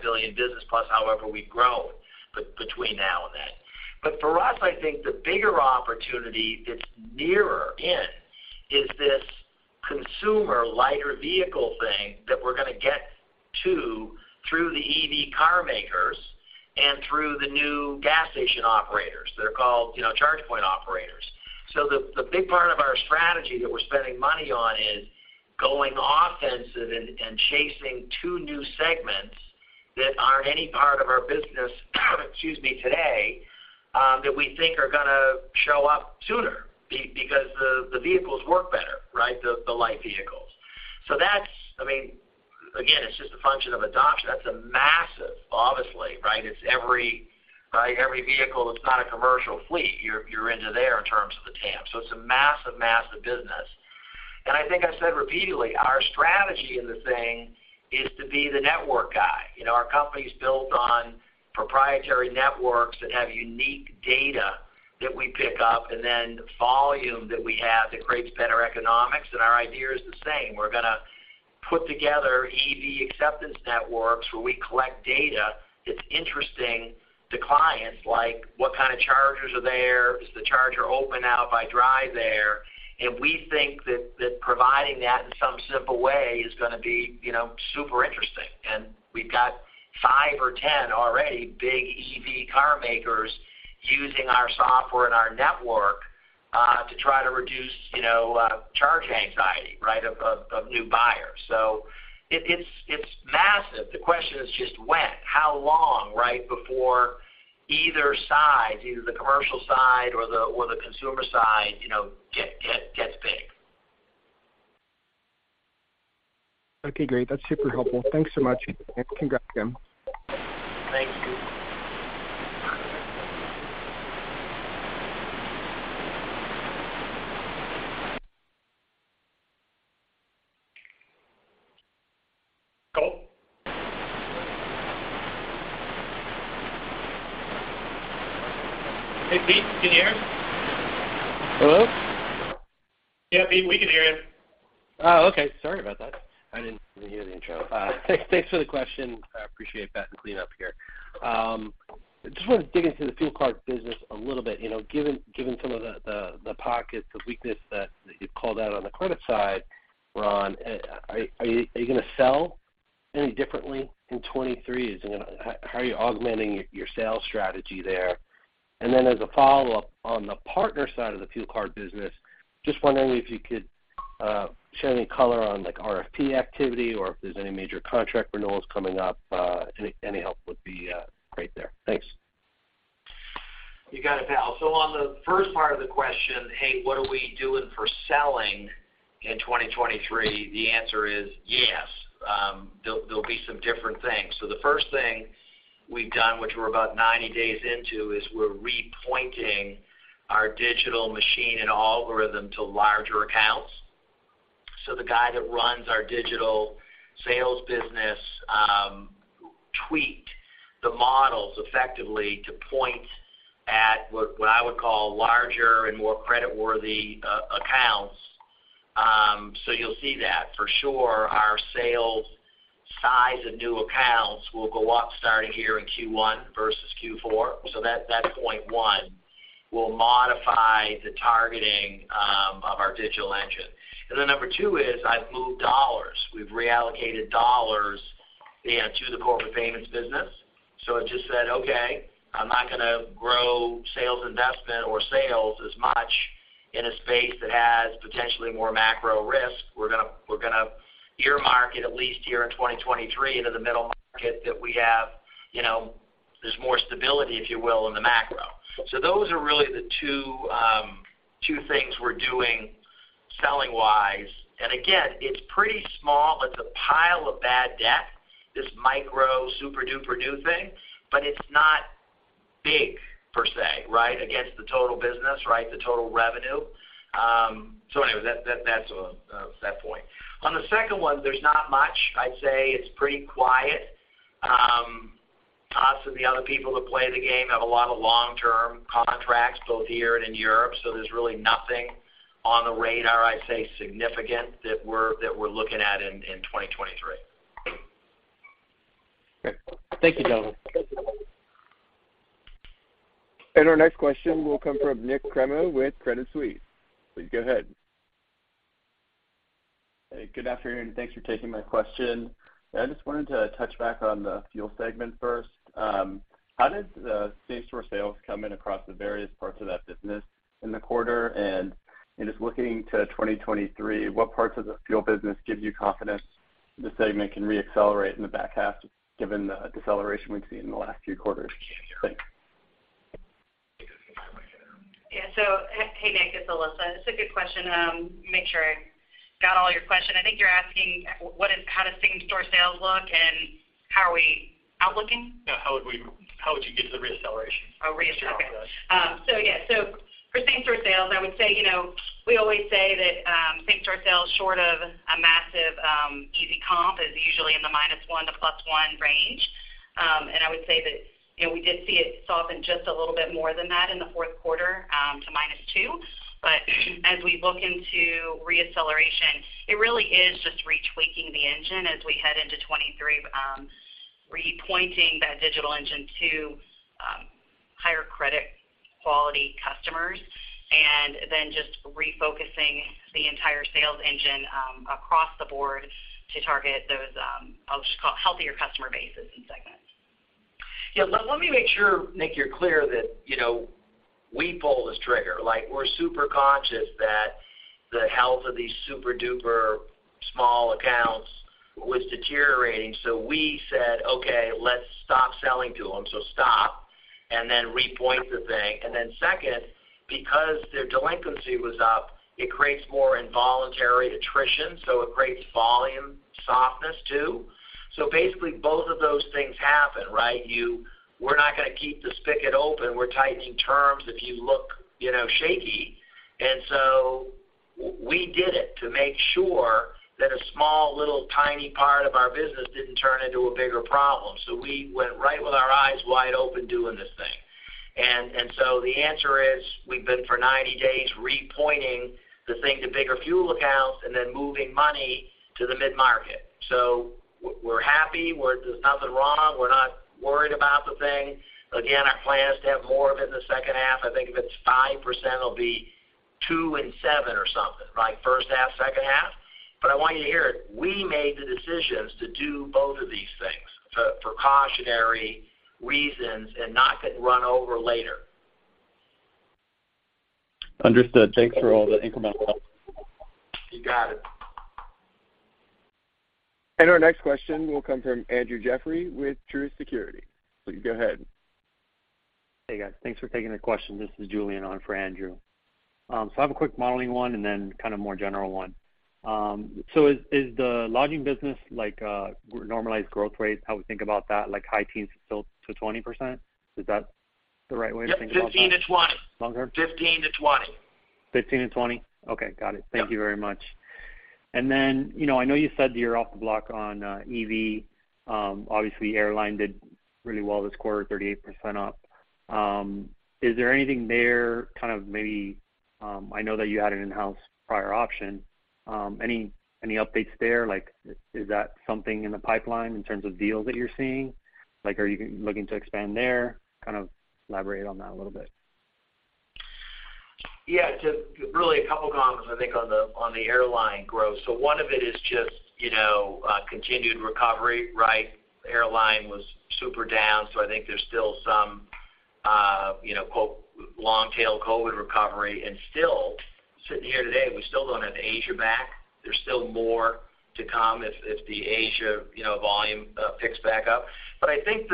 Speaker 3: billion business plus however we'd grown between now and then. For us, I think the bigger opportunity that's nearer in is this consumer lighter vehicle thing that we're gonna get to through the EV car makers and through the new gas station operators. They're called, you know, charge point operators. The big part of our strategy that we're spending money on is going offensive and chasing two new segments that aren't any part of our business, excuse me, today, that we think are gonna show up sooner because the vehicles work better, right, the light vehicles. That's. I mean, again, it's just a function of adoption. That's a massive, obviously, right? It's every vehicle that's not a commercial fleet you're into there in terms of the TAM. It's a massive business. I think I said repeatedly, our strategy in the thing is to be the network guy. You know, our company's built on proprietary networks that have unique data that we pick up and then volume that we have that creates better economics, and our idea is the same. We're gonna put together EV acceptance networks where we collect data that's interesting to clients, like what kind of chargers are there? Is the charger open out if I drive there? We think that providing that in some simple way is gonna be, you know, super interesting. We've got five or 10 already big EV car makers using our software and our network to try to reduce, you know, charge anxiety, right, of new buyers. It's massive. The question is just when. How long, right, before either side, either the commercial side or the consumer side, you know, gets big.
Speaker 11: Okay, great. That's super helpful. Thanks so much. Congrats again.
Speaker 3: Thank you. Cole? Hey, Pete, can you hear us?
Speaker 12: Hello?
Speaker 3: Yeah, Pete, we can hear you.
Speaker 12: Oh, okay. Sorry about that. I didn't hear the intro. Thanks for the question. I appreciate that and clean up here. I just wanted to dig into the fuel card business a little bit. You know, given some of the pockets of weakness that you called out on the credit side, Ron, are you gonna sell any differently in 2023? How are you augmenting your sales strategy there? As a follow-up, on the partner side of the fuel card business, just wondering if you could shed any color on, like, RFP activity or if there's any major contract renewals coming up. Any help would be great there. Thanks.
Speaker 3: You got it, pal. On the first part of the question, hey, what are we doing for selling in 2023? The answer is yes, there'll be some different things. The first thing we've done, which we're about 90 days into, is we're repointing our digital machine and algorithm to larger accounts. The guy that runs our digital sales business, tweaked the models effectively to point at what I would call larger and more creditworthy accounts. You'll see that for sure. Our sales size of new accounts will go up starting here in Q1 versus Q4. That point one will modify the targeting of our digital engine. Then number two is I've moved dollars. We've reallocated dollars into the corporate payments business. It just said, okay, I'm not gonna grow sales investment or sales as much in a space that has potentially more macro risk. We're gonna earmark it at least here in 2023 into the middle market that we have, you know, there's more stability, if you will, in the macro. Those are really the two things we're doing selling-wise, and again, it's pretty small. It's a pile of bad debt, this micro super-duper new thing, but it's not big per se, right? Against the total business, right, the total revenue. Anyway, that, that's, that point. On the second one, there's not much. I'd say it's pretty quiet. Us and the other people that play the game have a lot of long-term contracts both here and in Europe, so there's really nothing on the radar, I'd say, significant that we're looking at in 2023.
Speaker 12: Great. Thank you, gentlemen.
Speaker 1: Our next question will come from Nik Cremo with Credit Suisse. Please go ahead.
Speaker 13: Hey, good afternoon, and thanks for taking my question. I just wanted to touch back on the fuel segment first. How did same-store sales come in across the various parts of that business in the quarter? In just looking to 2023, what parts of the fuel business give you confidence the segment can reaccelerate in the back half given the deceleration we've seen in the last few quarters? Thanks.
Speaker 4: Yeah. Hey, Nik. It's Alissa. It's a good question. Make sure I got all your question. I think you're asking what is how does same store sales look, and how are we outlooking?
Speaker 13: No. How would you get to the reacceleration?
Speaker 4: Oh, reaccel. Okay.
Speaker 13: Yeah.
Speaker 4: Yeah. For same-store sales, I would say, you know, we always say that, same-store sales short of a massive, easy comp is usually in the -1 to +1 range. I would say that, you know, we did see it soften just a little bit more than that in the Q4, to -2. As we look into reacceleration, it really is just retweaking the engine as we head into 2023, repointing that digital engine to higher credit quality customers and then just refocusing the entire sales engine across the board to target those, I'll just call it healthier customer bases and segments.
Speaker 3: Let me make sure, Nik Cremo, you're clear that, you know, we pull this trigger. Like, we're super conscious that the health of these super-duper small accounts was deteriorating, we said, "Okay, let's stop selling to them." Stop, then repoint the thing. Second, because their delinquency was up, it creates more involuntary attrition, it creates volume softness too. Basically, both of those things happen, right? We're not going to keep the spigot open. We're tightening terms if you look, you know, shaky. We did it to make sure that a small, little, tiny part of our business didn't turn into a bigger problem, we went right with our eyes wide open doing this thing. The answer is we've been for 90 days repointing the thing to bigger fuel accounts and then moving money to the mid-market. We're happy. There's nothing wrong. We're not worried about the thing. Again, our plan is to have more of it in the second half. I think if it's 5%, it'll be two and seven or something, right? First half, second half. I want you to hear it. We made the decisions to do both of these things for precautionary reasons and not get run over later.
Speaker 13: Understood. Thanks for all the incremental help.
Speaker 3: You got it.
Speaker 1: Our next question will come from Andrew Jeffrey with Truist Securities. Please go ahead.
Speaker 14: Hey, guys. Thanks for taking the question. This is Julian on for Andrew. I have a quick modeling one and then kind of more general one. Is the lodging business a normalized growth rate, how we think about that, high teens still to 20%? Is that the right way to think about that long term?
Speaker 3: Yep, 15-20.
Speaker 14: Long term?
Speaker 3: 15-20.
Speaker 14: 15-20? Okay. Got it.
Speaker 3: Yeah.
Speaker 14: Thank you very much. You know, I know you said you're off the block on EV. Obviously airline did really well this quarter, 38% up. Is there anything there kind of maybe? I know that you had an in-house prior option. Any updates there? Like, is that something in the pipeline in terms of deals that you're seeing? Like, are you looking to expand there? Kind of elaborate on that a little bit.
Speaker 3: Just really a couple comments I think on the airline growth. One of it is just, you know, continued recovery, right? Airline was super down. I think there's still some, you know, quote, "long tail COVID recovery." Still, sitting here today, we still don't have Asia back. There's still more to come if the Asia, you know, volume picks back up. I think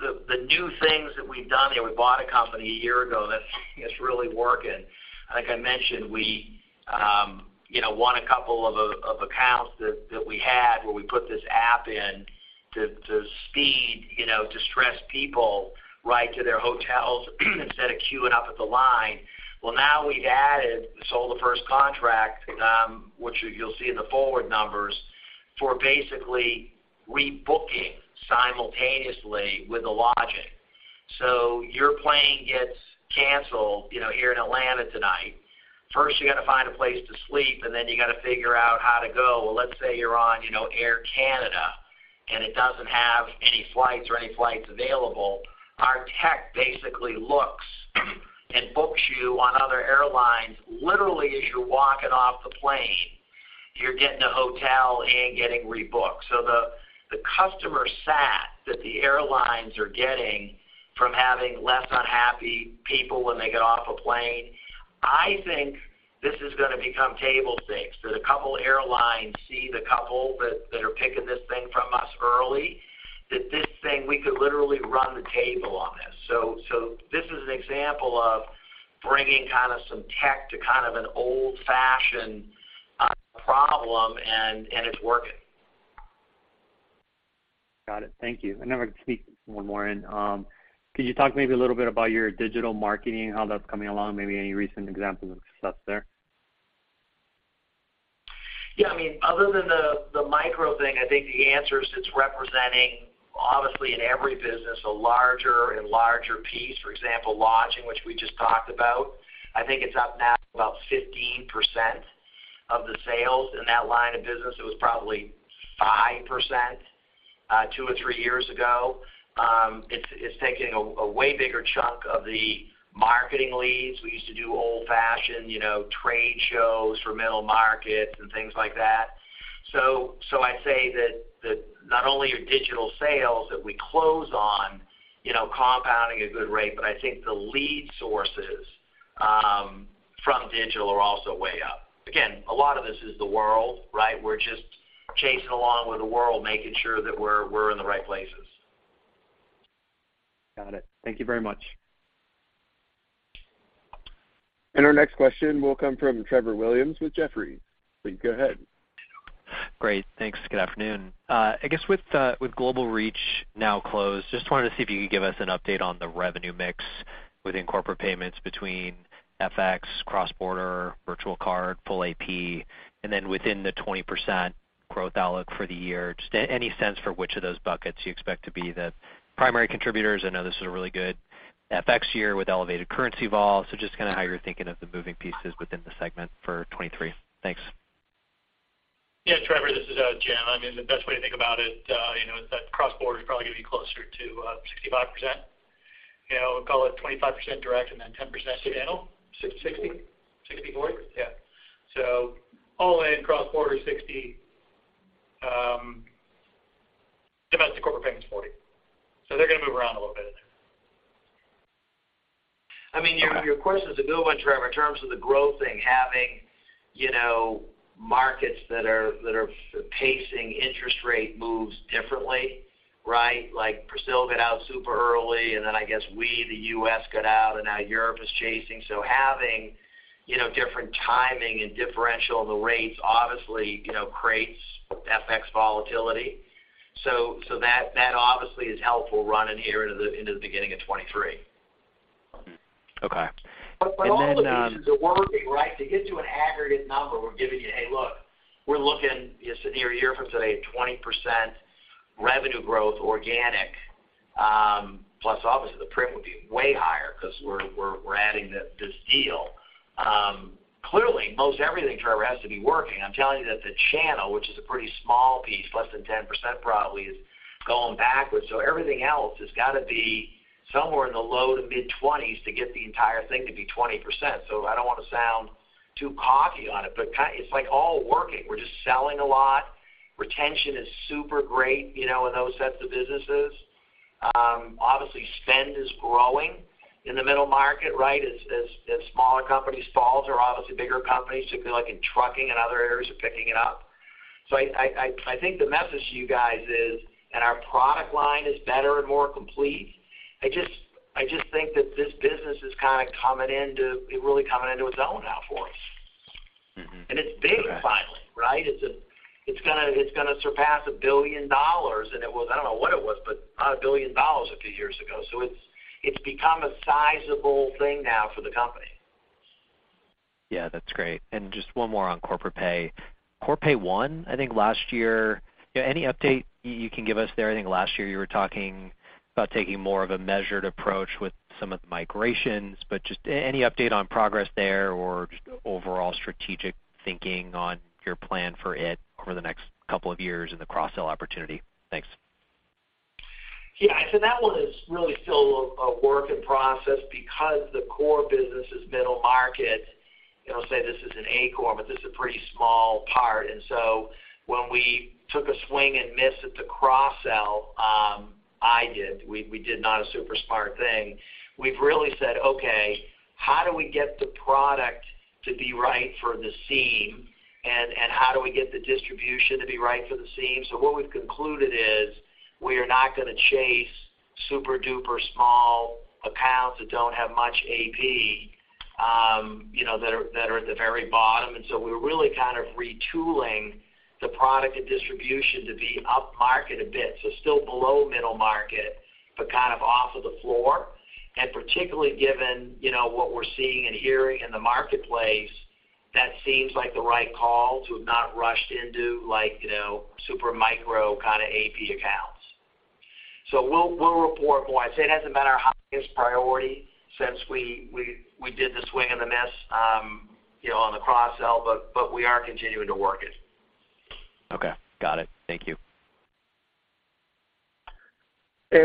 Speaker 3: the new things that we've done, you know, we bought a company a year ago that's really working. I think I mentioned we, you know, won a couple of accounts that we had where we put this app in to speed, you know, distressed people, right, to their hotels instead of queuing up at the line. Now we've added, sold the first contract, which you'll see in the forward numbers, for basically rebooking simultaneously with the lodging. Your plane gets canceled, you know, here in Atlanta tonight. First, you gotta find a place to sleep, and then you gotta figure out how to go. Let's say you're on, you know, Air Canada, and it doesn't have any flights or any flights available. Our tech basically looks and books you on other airlines literally as you're walking off the plane. You're getting a hotel and getting rebooked. The customer sat that the airlines are getting from having less unhappy people when they get off a plane, I think this is gonna become table stakes, that a couple airlines see the couple that are picking this thing from us early. That this thing, we could literally run the table on this. This is an example of bringing kind of some tech to kind of an old-fashioned, problem and it's working.
Speaker 14: Got it. Thank you. We're gonna sneak one more in. Could you talk maybe a little bit about your digital marketing, how that's coming along, maybe any recent examples of success there?
Speaker 3: Yeah, I mean, other than the micro thing, I think the answer is it's representing obviously in every business a larger and larger piece. For example, lodging, which we just talked about, I think it's up now about 15% of the sales in that line of business. It was probably 5%, two or three years ago. It's taking a way bigger chunk of the marketing leads. We used to do old-fashioned, you know, trade shows for middle markets and things like that. I'd say that not only are digital sales that we close on, you know, compounding at a good rate, but I think the lead sources from digital are also way up. Again, a lot of this is the world, right? We're just chasing along with the world, making sure that we're in the right places.
Speaker 14: Got it. Thank you very much.
Speaker 1: Our next question will come from Trevor Williams with Jefferies. Please go ahead.
Speaker 15: Great. Thanks. Good afternoon. I guess with Global Reach now closed, just wanted to see if you could give us an update on the revenue mix within corporate payments between FX, cross-border, virtual card, full AP. Within the 20% growth outlook for the year, just any sense for which of those buckets you expect to be the primary contributors. I know this is a really good FX year with elevated currency vol, so just kinda how you're thinking of the moving pieces within the segment for 2023. Thanks.
Speaker 2: Trevor, this is Jim. I mean, the best way to think about it, you know, is that cross-border is probably gonna be closer to 65%. You know, we'll call it 25% direct and then 10% channel.
Speaker 3: 60. 60.
Speaker 2: Sixty/forty?
Speaker 3: Yeah.
Speaker 2: All in cross-border 60%, domestic corporate payments 40%. They're gonna move around a little bit in there.
Speaker 3: Your question's a good one, Trevor. In terms of the growth thing, having, you know, markets that are pacing interest rate moves differently, right? Like Brazil got out super early, and then I guess we, the U.S., got out, and now Europe is chasing. Having, you know, different timing and differential in the rates obviously, you know, creates FX volatility. That obviously is helpful running here into the beginning of 2023.
Speaker 15: Okay.
Speaker 3: For all of these things are working, right? To get to an aggregate number, we're giving you, hey, look, we're looking, you know, so year-over-year from today, a 20% revenue growth organic, plus obviously the print would be way higher because we're adding this deal. Clearly most everything, Trevor, has to be working. I'm telling you that the channel, which is a pretty small piece, less than 10% probably, is going backwards. Everything else has gotta be somewhere in the low to mid-20s to get the entire thing to be 20%. I don't wanna sound too cocky on it's like all working. We're just selling a lot. Retention is super great, you know, in those sets of businesses. Obviously spend is growing in the middle market, right? As smaller companies fall, there are obviously bigger companies, particularly like in trucking and other areas are picking it up. I think the message to you guys is. Our product line is better and more complete. I just think that this business is kind of coming into, really coming into its own now for us.
Speaker 15: Correct.
Speaker 3: It's big finally, right? It's gonna surpass $1 billion. It was I don't know what it was, but not $1 billion a few years ago. It's become a sizable thing now for the company.
Speaker 15: Yeah. That's great. Just one more on Corpay. Corpay One, I think last year, you know, any update you can give us there? I think last year you were talking about taking more of a measured approach with some of the migrations, but just any update on progress there or just overall strategic thinking on your plan for it over the next couple of years and the cross-sell opportunity? Thanks.
Speaker 3: Yeah. That one is really still a work in process because the core business is middle market. You know, say this is an acorn, but this is a pretty small part. When we took a swing and missed at the cross-sell, we did not a super smart thing. We've really said, "Okay, how do we get the product to be right for the SMB, and how do we get the distribution to be right for the SMB?" What we've concluded is we are not gonna chase super-duper small accounts that don't have much AP, you know, that are at the very bottom. We're really kind of retooling the product and distribution to be upmarket a bit, so still below middle market, but kind of off of the floor. Particularly given, you know, what we're seeing and hearing in the marketplace, that seems like the right call to have not rushed into like, you know, super micro kind of AP accounts. We'll report more. I'd say it hasn't been our highest priority since we did the swing and the miss, you know, on the cross-sell, but we are continuing to work it.
Speaker 15: Okay. Got it. Thank you.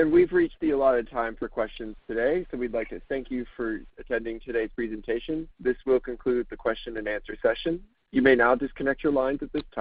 Speaker 1: We've reached the allotted time for questions today, we'd like to thank you for attending today's presentation. This will conclude the question and answer session. You may now disconnect your lines at this time.